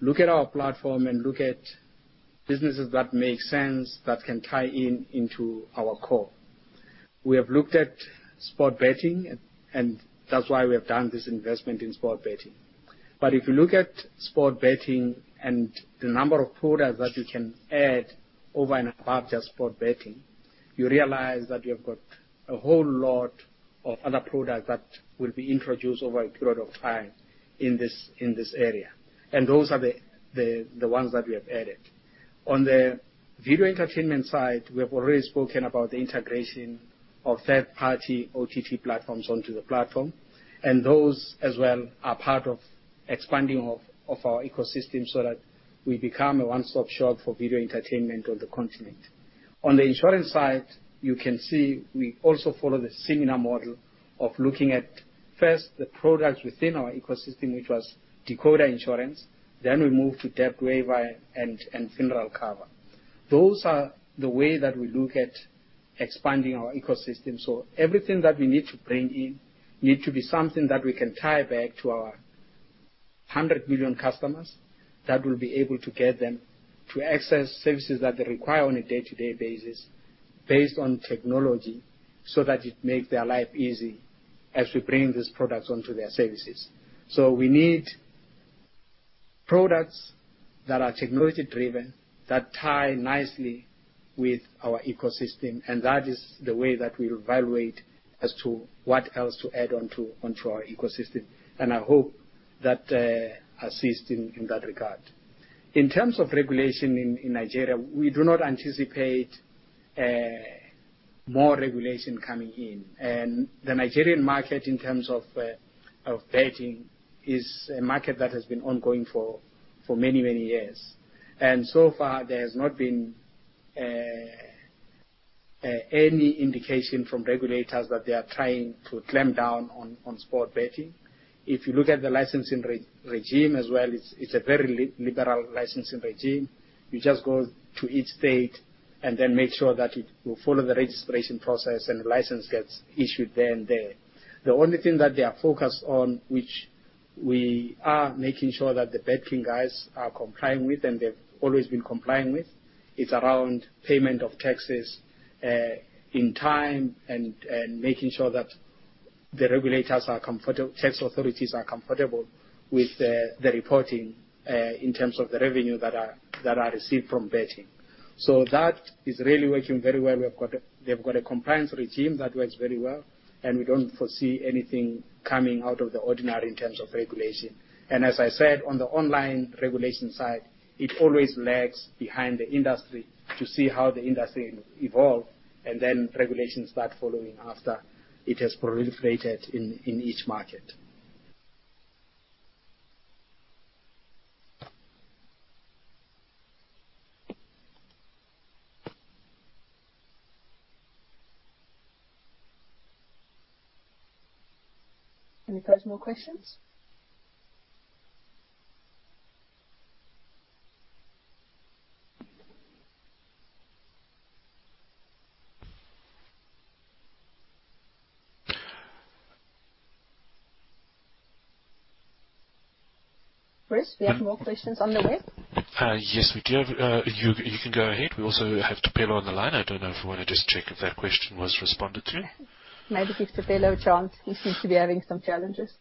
look at our platform and look at businesses that make sense that can tie in into our core. We have looked at sports betting, and that's why we've done this investment in sports betting. If you look at sports betting and the number of products that you can add over and above just sports betting, you realize that you've got a whole lot of other products that will be introduced over a period of time in this area. Those are the ones that we have added. On the video entertainment side, we have already spoken about the integration of third-party OTT platforms onto the platform, those as well are part of expanding of our ecosystem so that we become a one-stop shop for video entertainment on the continent. On the insurance side, you can see we also follow the similar model of looking at first the products within our ecosystem, which was decoder insurance, then we move to debt waiver and funeral cover. Those are the way that we look at expanding our ecosystem. Everything that we need to bring in need to be something that we can tie back to our 100 million customers that will be able to get them to access services that they require on a day-to-day basis based on technology, so that it makes their life easy as we bring these products onto their services. We need products that are technology-driven, that tie nicely with our ecosystem, That is the way that we evaluate as to what else to add onto our ecosystem. I hope that assists him in that regard. In terms of regulation in Nigeria, we do not anticipate more regulation coming in. The Nigerian market, in terms of betting, is a market that has been ongoing for many, many years. So far, there has not been any indication from regulators that they are trying to clamp down on sports betting. If you look at the licensing regime as well, it's a very liberal licensing regime. You just go to each state and then make sure that you follow the registration process, and the license gets issued then and there. The only thing that they are focused on, which we are making sure that the BetKing guys are complying with, and they've always been complying with, is around payment of taxes in time and making sure that the tax authorities are comfortable with the reporting in terms of the revenue that are received from betting. That is really working very well. They've got a compliance regime that works very well, and we don't foresee anything coming out of the ordinary in terms of regulation. As I said, on the online regulation side, it always lags behind the industry to see how the industry will evolve, and then regulations start following after it has proliferated in each market. Any personal questions? Chris, do you have more questions on the web? Yes, we do. You can go ahead. We also have Thapelo on the line. I don't know if you want to just check if that question was responded to. Maybe give Thapelo a chance. He seems to be having some challenges.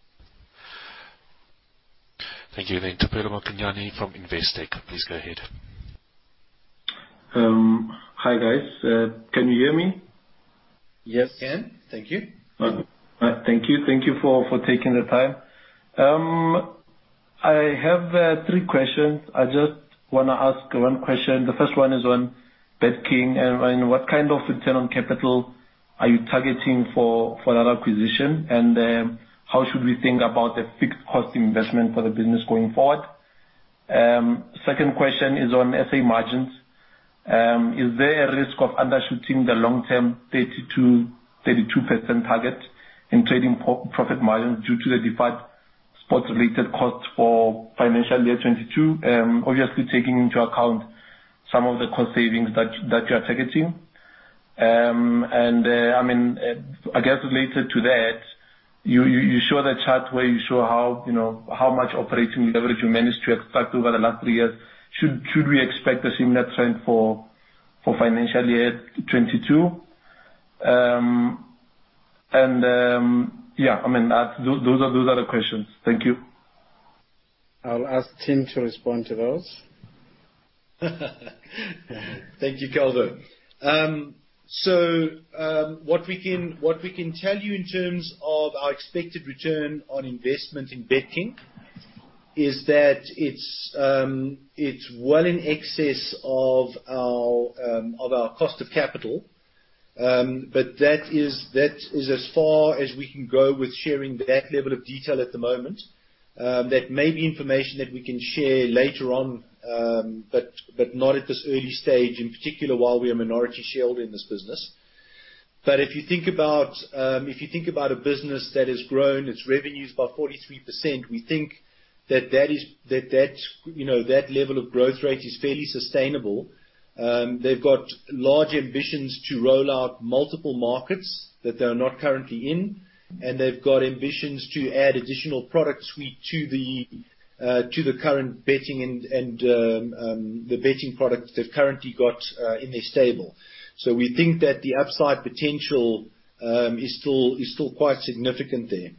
Thank you. Thapelo Mokonyane from Investec, please go ahead. Hi, guys. Can you hear me? Yes. Can. Thank you. Thank you. Thank you for taking the time. I have three questions. I just want to ask one question. The first one is on BetKing, and what kind of return on capital are you targeting for that acquisition? How should we think about the fixed cost investment for the business going forward? Second question is on SA margins. Is there a risk of undershooting the long-term 32% target in trading profit margin due to the deferred sports-related costs for FY 2022, obviously taking into account some of the cost savings that you are targeting? I guess related to that, you show the chart where you show how much operating leverage you managed to extract over the last few years. Should we expect the same net trend for FY 2022? Those are the questions. Thank you. I'll ask Tim to respond to those. Thank you, Calvo. What we can tell you in terms of our expected return on investment in BetKing is that it's well in excess of our cost of capital. That is as far as we can go with sharing that level of detail at the moment. That may be information that we can share later on, but not at this early stage, in particular, while we are minority shared in this business. If you think about a business that has grown its revenues by 43%, we think that level of growth rate is fairly sustainable. They've got large ambitions to roll out multiple markets that they're not currently in, and they've got ambitions to add additional product suite to the current betting product they've currently got in their stable. We think that the upside potential is still quite significant there.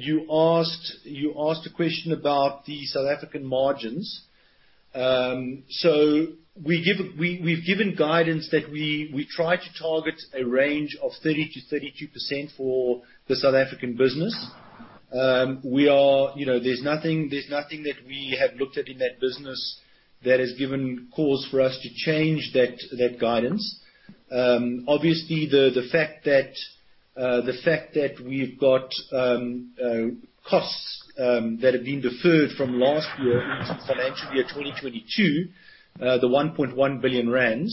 You asked a question about the South African margins. We've given guidance that we try to target a range of 30%-32% for the South African business. There's nothing that we have looked at in that business that has given cause for us to change that guidance. Obviously, the fact that we've got costs that have been deferred from last year into FY 2022, the 1.1 billion rand.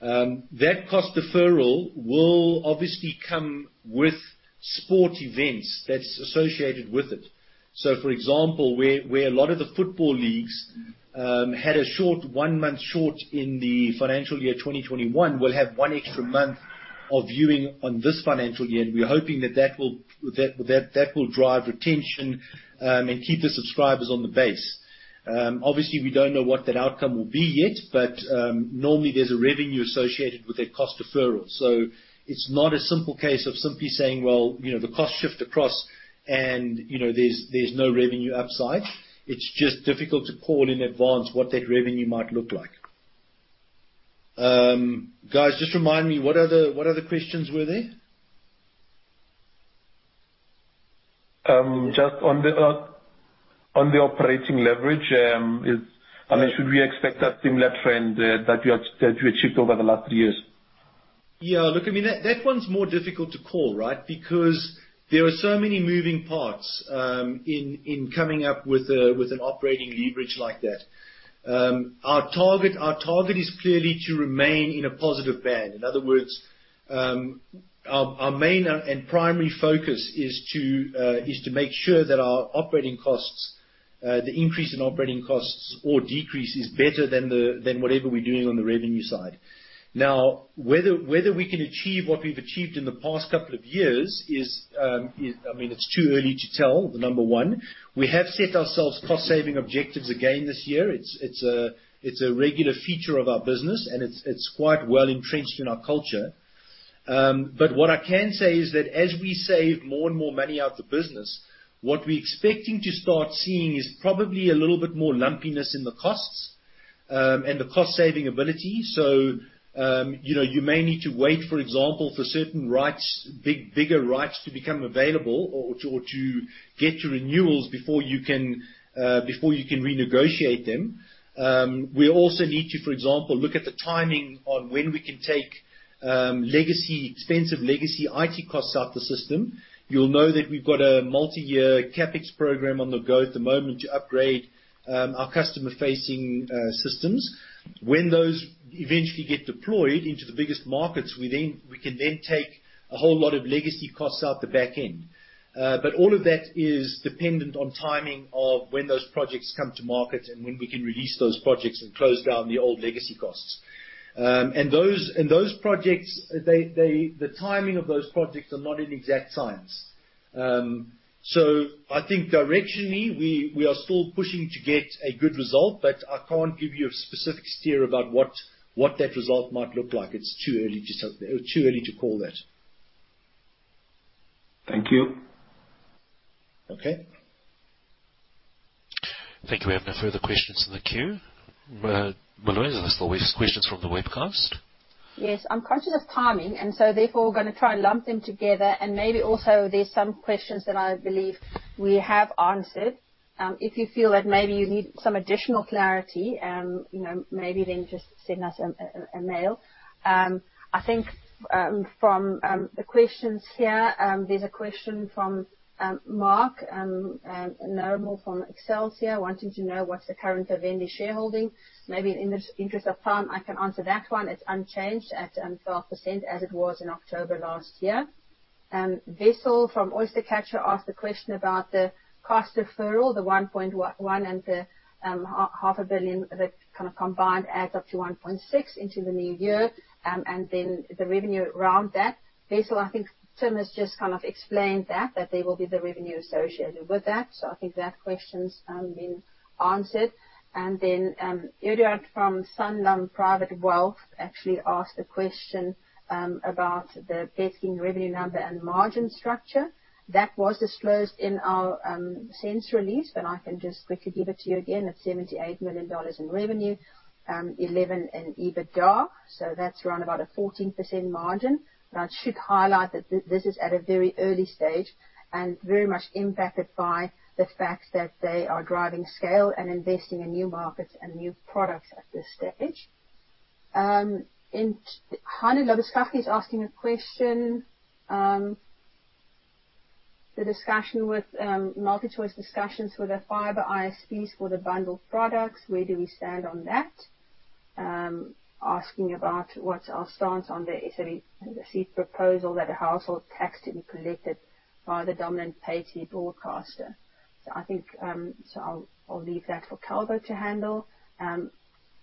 That cost deferral will obviously come with sport events that's associated with it. For example, where a lot of the football leagues had a one-month short in the FY 2021, will have one extra month of viewing on this financial year, and we are hoping that will drive retention and keep the subscribers on the base. Obviously, we don't know what that outcome will be yet, but normally there's a revenue associated with that cost deferral. It's not a simple case of simply saying, well, the cost shift across and there's no revenue upside. It's just difficult to call in advance what that revenue might look like. Guys, just remind me, what other questions were there? Just on the operating leverage, I mean, should we expect that similar trend that you achieved over the last three years? Yeah. Look, I mean, that one's more difficult to call, right? There are so many moving parts in coming up with an operating leverage like that. Our target is clearly to remain in a positive band. In other words, our main and primary focus is to make sure that our operating costs, the increase in operating costs or decrease is better than whatever we're doing on the revenue side. Whether we can achieve what we've achieved in the past couple of years, I mean, it's too early to tell, number one. We have set ourselves cost-saving objectives again this year. It's a regular feature of our business. It's quite well entrenched in our culture. What I can say is that as we save more and more money out the business, what we're expecting to start seeing is probably a little bit more lumpiness in the costs and the cost-saving ability. You may need to wait, for example, for certain rights, bigger rights to become available or to get your renewals before you can renegotiate them. We also need to, for example, look at the timing on when we can take expensive legacy IT costs out the system. You'll know that we've got a multi-year CapEx program on the go at the moment to upgrade our customer-facing systems. When those eventually get deployed into the biggest markets, we can then take a whole lot of legacy costs out the back end. All of that is dependent on timing of when those projects come to market and when we can release those projects and close down the old legacy costs. Those projects, the timing of those projects are not in exact science. I think directionally, we are still pushing to get a good result, but I can't give you a specific steer about what that result might look like. It's too early to call that. Thank you. Okay. Thank you. We have no further questions in the queue. Louise, are there still questions from the webcast? Yes. I'm conscious of timing. Therefore, we're gonna try and lump them together. Maybe also there's some questions that I believe we have answered. If you feel that maybe you need some additional clarity, maybe just send us a mail. I think, from the questions here, there's a question from Mark Ingham from Excelsior, wanting to know what's the current Vivendi shareholding. Maybe in the interest of time, I can answer that one. It's unchanged at 12%, as it was in October last year. Wessel from Oystercatcher asked a question about the cost deferral, the 1.1 billion and the 500 million that kind of combined adds up to 1.6 billion into the new year, and then the revenue around that. Wessel, I think Tim has just kind of explained that there will be the revenue associated with that. I think that question's been answered. Eduard from Sanlam Private Wealth actually asked a question about the BetKing revenue number and margin structure. That was disclosed in our SENS release, but I can just quickly give it to you again. It's ZAR 78 million in revenue, 11 million in EBITDA, that's around about a 14% margin. I should highlight that this is at a very early stage and very much impacted by the fact that they are driving scale and investing in new markets and new products at this stage. Hennie Labuschagne is asking a question, the MultiChoice discussions with the fiber ISPs for the bundled products, where do we stand on that? Asking about what's our stance on the SABC proposal that a household tax to be collected by the dominant pay TV broadcaster. I'll leave that for Calvo to handle.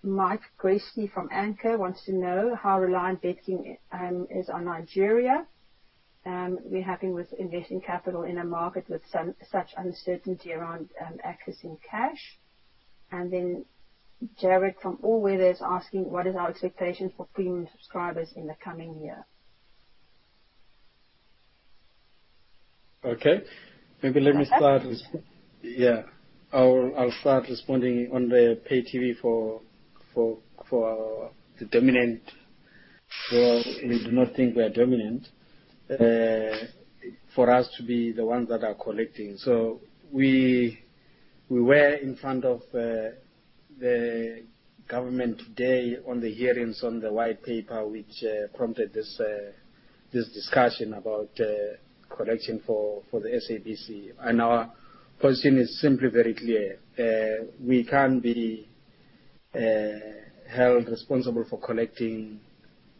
Mike Gresty from Anchor wants to know how reliant BetKing is on Nigeria. We're happy with investing capital in a market with such uncertainty around accessing cash. Jarryd Woudberg from All Weather is asking what is our expectation for premium subscribers in the coming year. Okay. Maybe let me start. Okay. I'll start responding on the pay TV for the dominant. Well, we do not think we are dominant, for us to be the ones that are collecting. We were in front of the government today on the hearings on the white paper which prompted this discussion about collection for the SABC. Our position is simply very clear. We can't be held responsible for collecting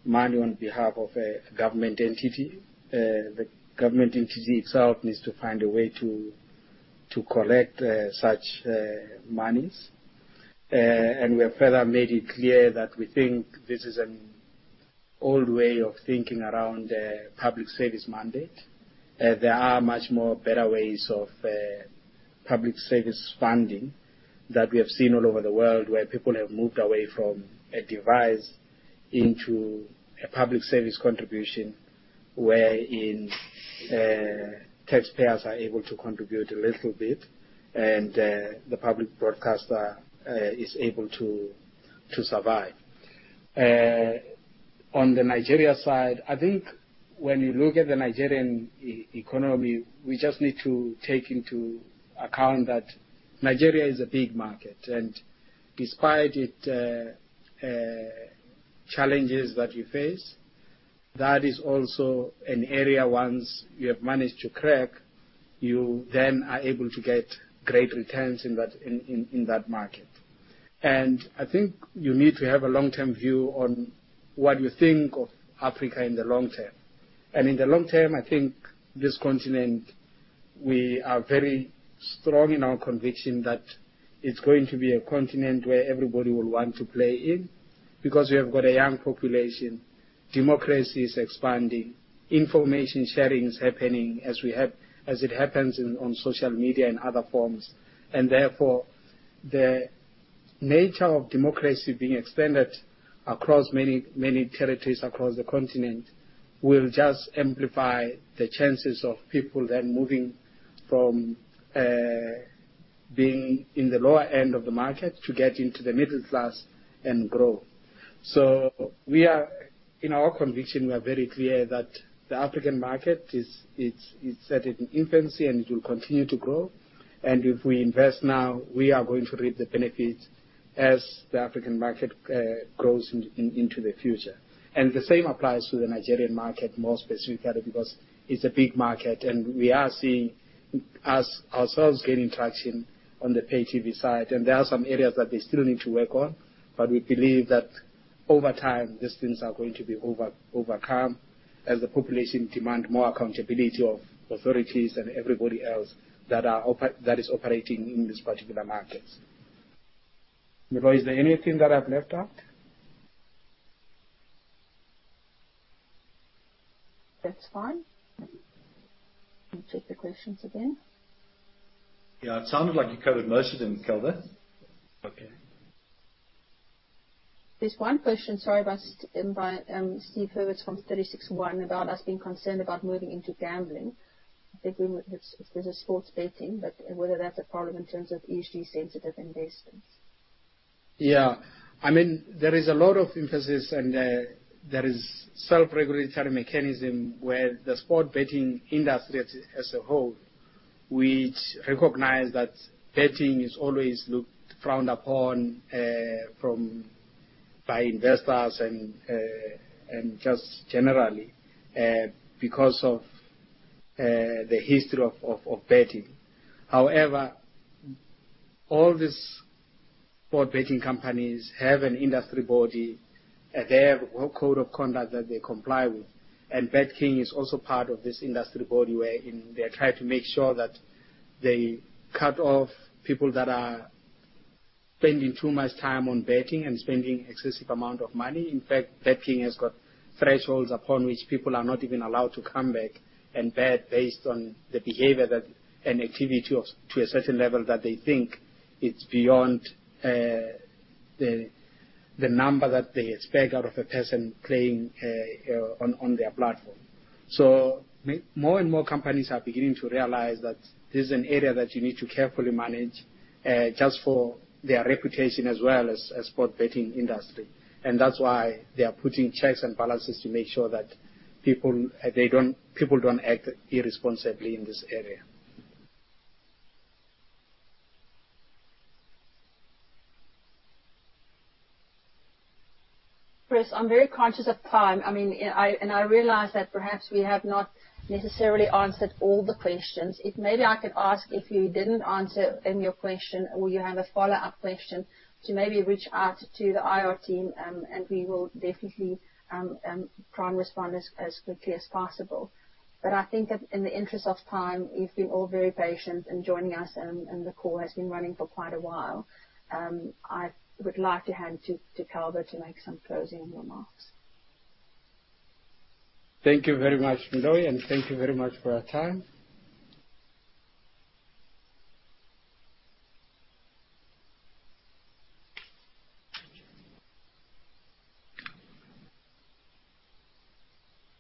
money on behalf of a government entity. The government entity itself needs to find a way to collect such monies. We have further made it clear that we think this is an old way of thinking around public service mandate. There are much more better ways of public service funding that we have seen all over the world, where people have moved away from a device into a public service contribution wherein taxpayers are able to contribute a little bit, and the public broadcaster is able to survive. On the Nigeria side, I think when you look at the Nigerian economy, we just need to take into account that Nigeria is a big market, and despite its challenges that we face, that is also an area once you have managed to crack, you then are able to get great returns in that market. I think you need to have a long-term view on what you think of Africa in the long term. In the long term, I think this continent, we are very strong in our conviction that it's going to be a continent where everybody will want to play in, because we have got a young population, democracy is expanding, information sharing is happening as it happens on social media and other forms. Therefore, the nature of democracy being expanded across many territories across the continent will just amplify the chances of people then moving from being in the lower end of the market to get into the middle class and grow. In our conviction, we are very clear that the African market it's at an infancy and it will continue to grow. If we invest now, we are going to reap the benefits as the African market grows into the future. The same applies to the Nigerian market, more specifically because it's a big market, and we are seeing ourselves gaining traction on the pay TV side. There are some areas that they still need to work on, but we believe that over time, these things are going to be overcome as the population demand more accountability of authorities and everybody else that is operating in this particular market. Meloy, is there anything that I've left out? That's fine. Let me check the questions again. Yeah. It sounded like you covered most of them, Calvo. Okay. There's one question, sorry, by Steven Hurwitz from 36ONE Asset Management about us being concerned about moving into gambling. I think we mentioned this is sports betting, but whether that's a problem in terms of ESG sensitive investments. Yeah. There is a lot of emphasis and there is self-regulatory mechanism where the sports betting industry as a whole, which recognize that betting is always frowned upon by investors and just generally because of the history of betting. However, all these sports betting companies have an industry body. They have a code of conduct that they comply with. BetKing is also part of this industry body wherein they try to make sure that they cut off people that are spending too much time on betting and spending excessive amount of money. In fact, BetKing has got thresholds upon which people are not even allowed to come back and bet based on the behavior that an activity to a certain level that they think it is beyond the number that they expect out of a person playing on their platform. More and more companies are beginning to realize that this is an area that you need to carefully manage, just for their reputation as well as sports betting industry. That's why they are putting checks and balances to make sure that people don't act irresponsibly in this area. Chris, I'm very conscious of time. I realize that perhaps we have not necessarily answered all the questions. If maybe I could ask if you didn't answer in your question, or you have a follow-up question, to maybe reach out to the IR team, and we will definitely try and respond as quickly as possible. I think that in the interest of time, you've been all very patient in joining us, and the call has been running for quite a while. I would like to hand to Calvo Mawela to make some closing remarks. Thank you very much, Meloy, and thank you very much for our time.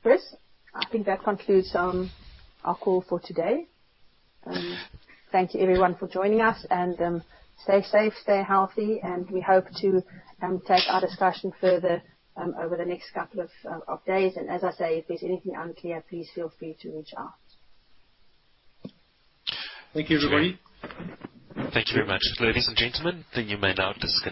Chris, I think that concludes our call for today. Thank you everyone for joining us, stay safe, stay healthy, we hope to take our discussion further over the next couple of days. As I say, if there's anything unclear, please feel free to reach out. Thank you, everybody. Thank you very much. Ladies and gentlemen, you may now disconnect your lines.